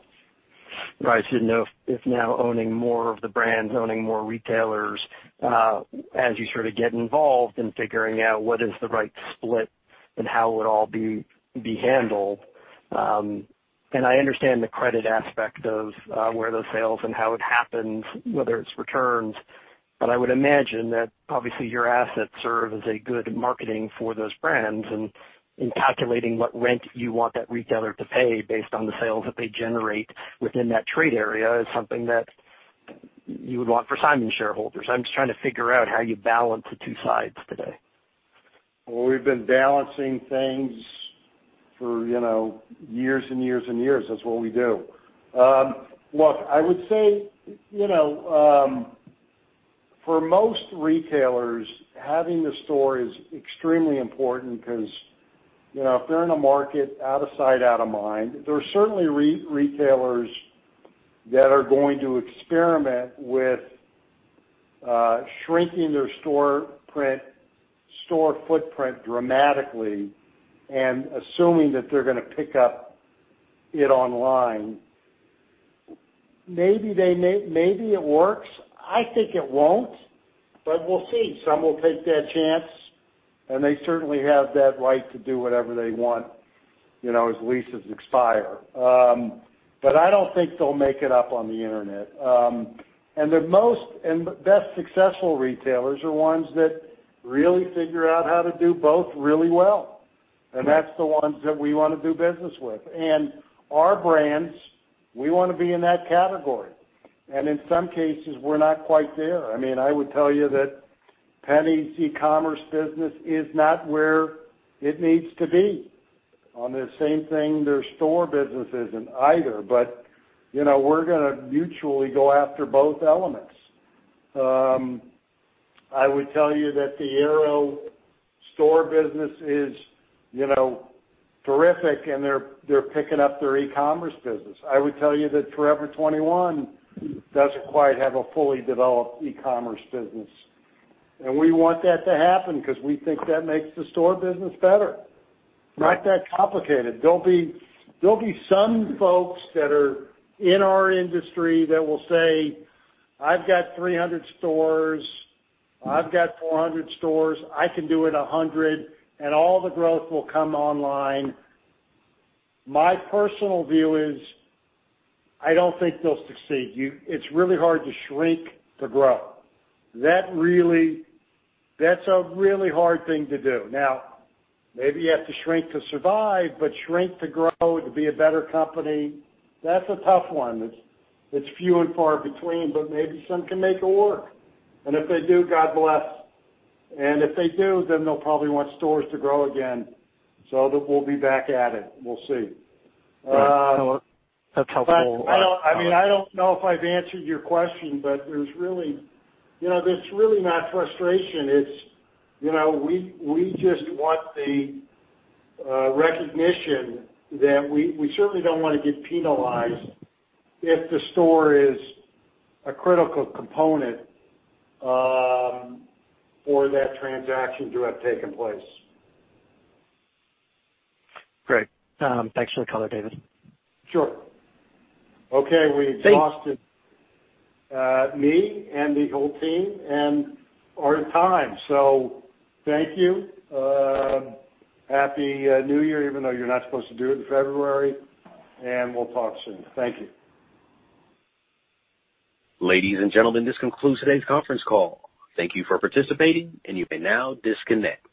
S9: Right. You know, if now owning more of the brands, owning more retailers, as you sort of get involved in figuring out what is the right split and how it would all be handled. I understand the credit aspect of where those sales and how it happens, whether it's returns, but I would imagine that obviously your assets serve as a good marketing for those brands and in calculating what rent you want that retailer to pay based on the sales that they generate within that trade area is something that you would want for Simon shareholders. I'm just trying to figure out how you balance the two sides today.
S3: We've been balancing things for years and years and years. That's what we do. I would say, for most retailers, having the store is extremely important because if they're in a market out of sight, out of mind, there are certainly retailers that are going to experiment with shrinking their store footprint dramatically and assuming that they're going to pick up it online. Maybe it works. I think it won't, but we'll see. Some will take that chance, and they certainly have that right to do whatever they want, as leases expire. I don't think they'll make it up on the internet. The best successful retailers are ones that really figure out how to do both really well. That's the ones that we want to do business with. Our brands, we want to be in that category. In some cases, we're not quite there. I would tell you that Penney's e-commerce business is not where it needs to be. On the same thing, their store business isn't either, but we're going to mutually go after both elements. I would tell you that the Aero store business is terrific, and they're picking up their e-commerce business. I would tell you that Forever 21 doesn't quite have a fully developed e-commerce business. We want that to happen because we think that makes the store business better. Not that complicated. There'll be some folks that are in our industry that will say, "I've got 300 stores. I've got 400 stores. I can do it 100, and all the growth will come online." My personal view is, I don't think they'll succeed. It's really hard to shrink to grow. That's a really hard thing to do. Maybe you have to shrink to survive, but shrink to grow, to be a better company, that's a tough one. It's few and far between, but maybe some can make it work. If they do, God bless. If they do, then they'll probably want stores to grow again, so that we'll be back at it. We'll see.
S9: That's helpful.
S3: I don't know if I've answered your question. It's really not frustration, it's we just want the recognition that we certainly don't want to get penalized if the store is a critical component for that transaction to have taken place.
S9: Great. Thanks for the color, David.
S3: Sure. Okay.
S9: Thanks.
S3: We exhausted me and the whole team and our time. Thank you. Happy New Year, even though you're not supposed to do it in February, and we'll talk soon. Thank you.
S1: Ladies and gentlemen, this concludes today's conference call. Thank you for participating and you may now disconnect.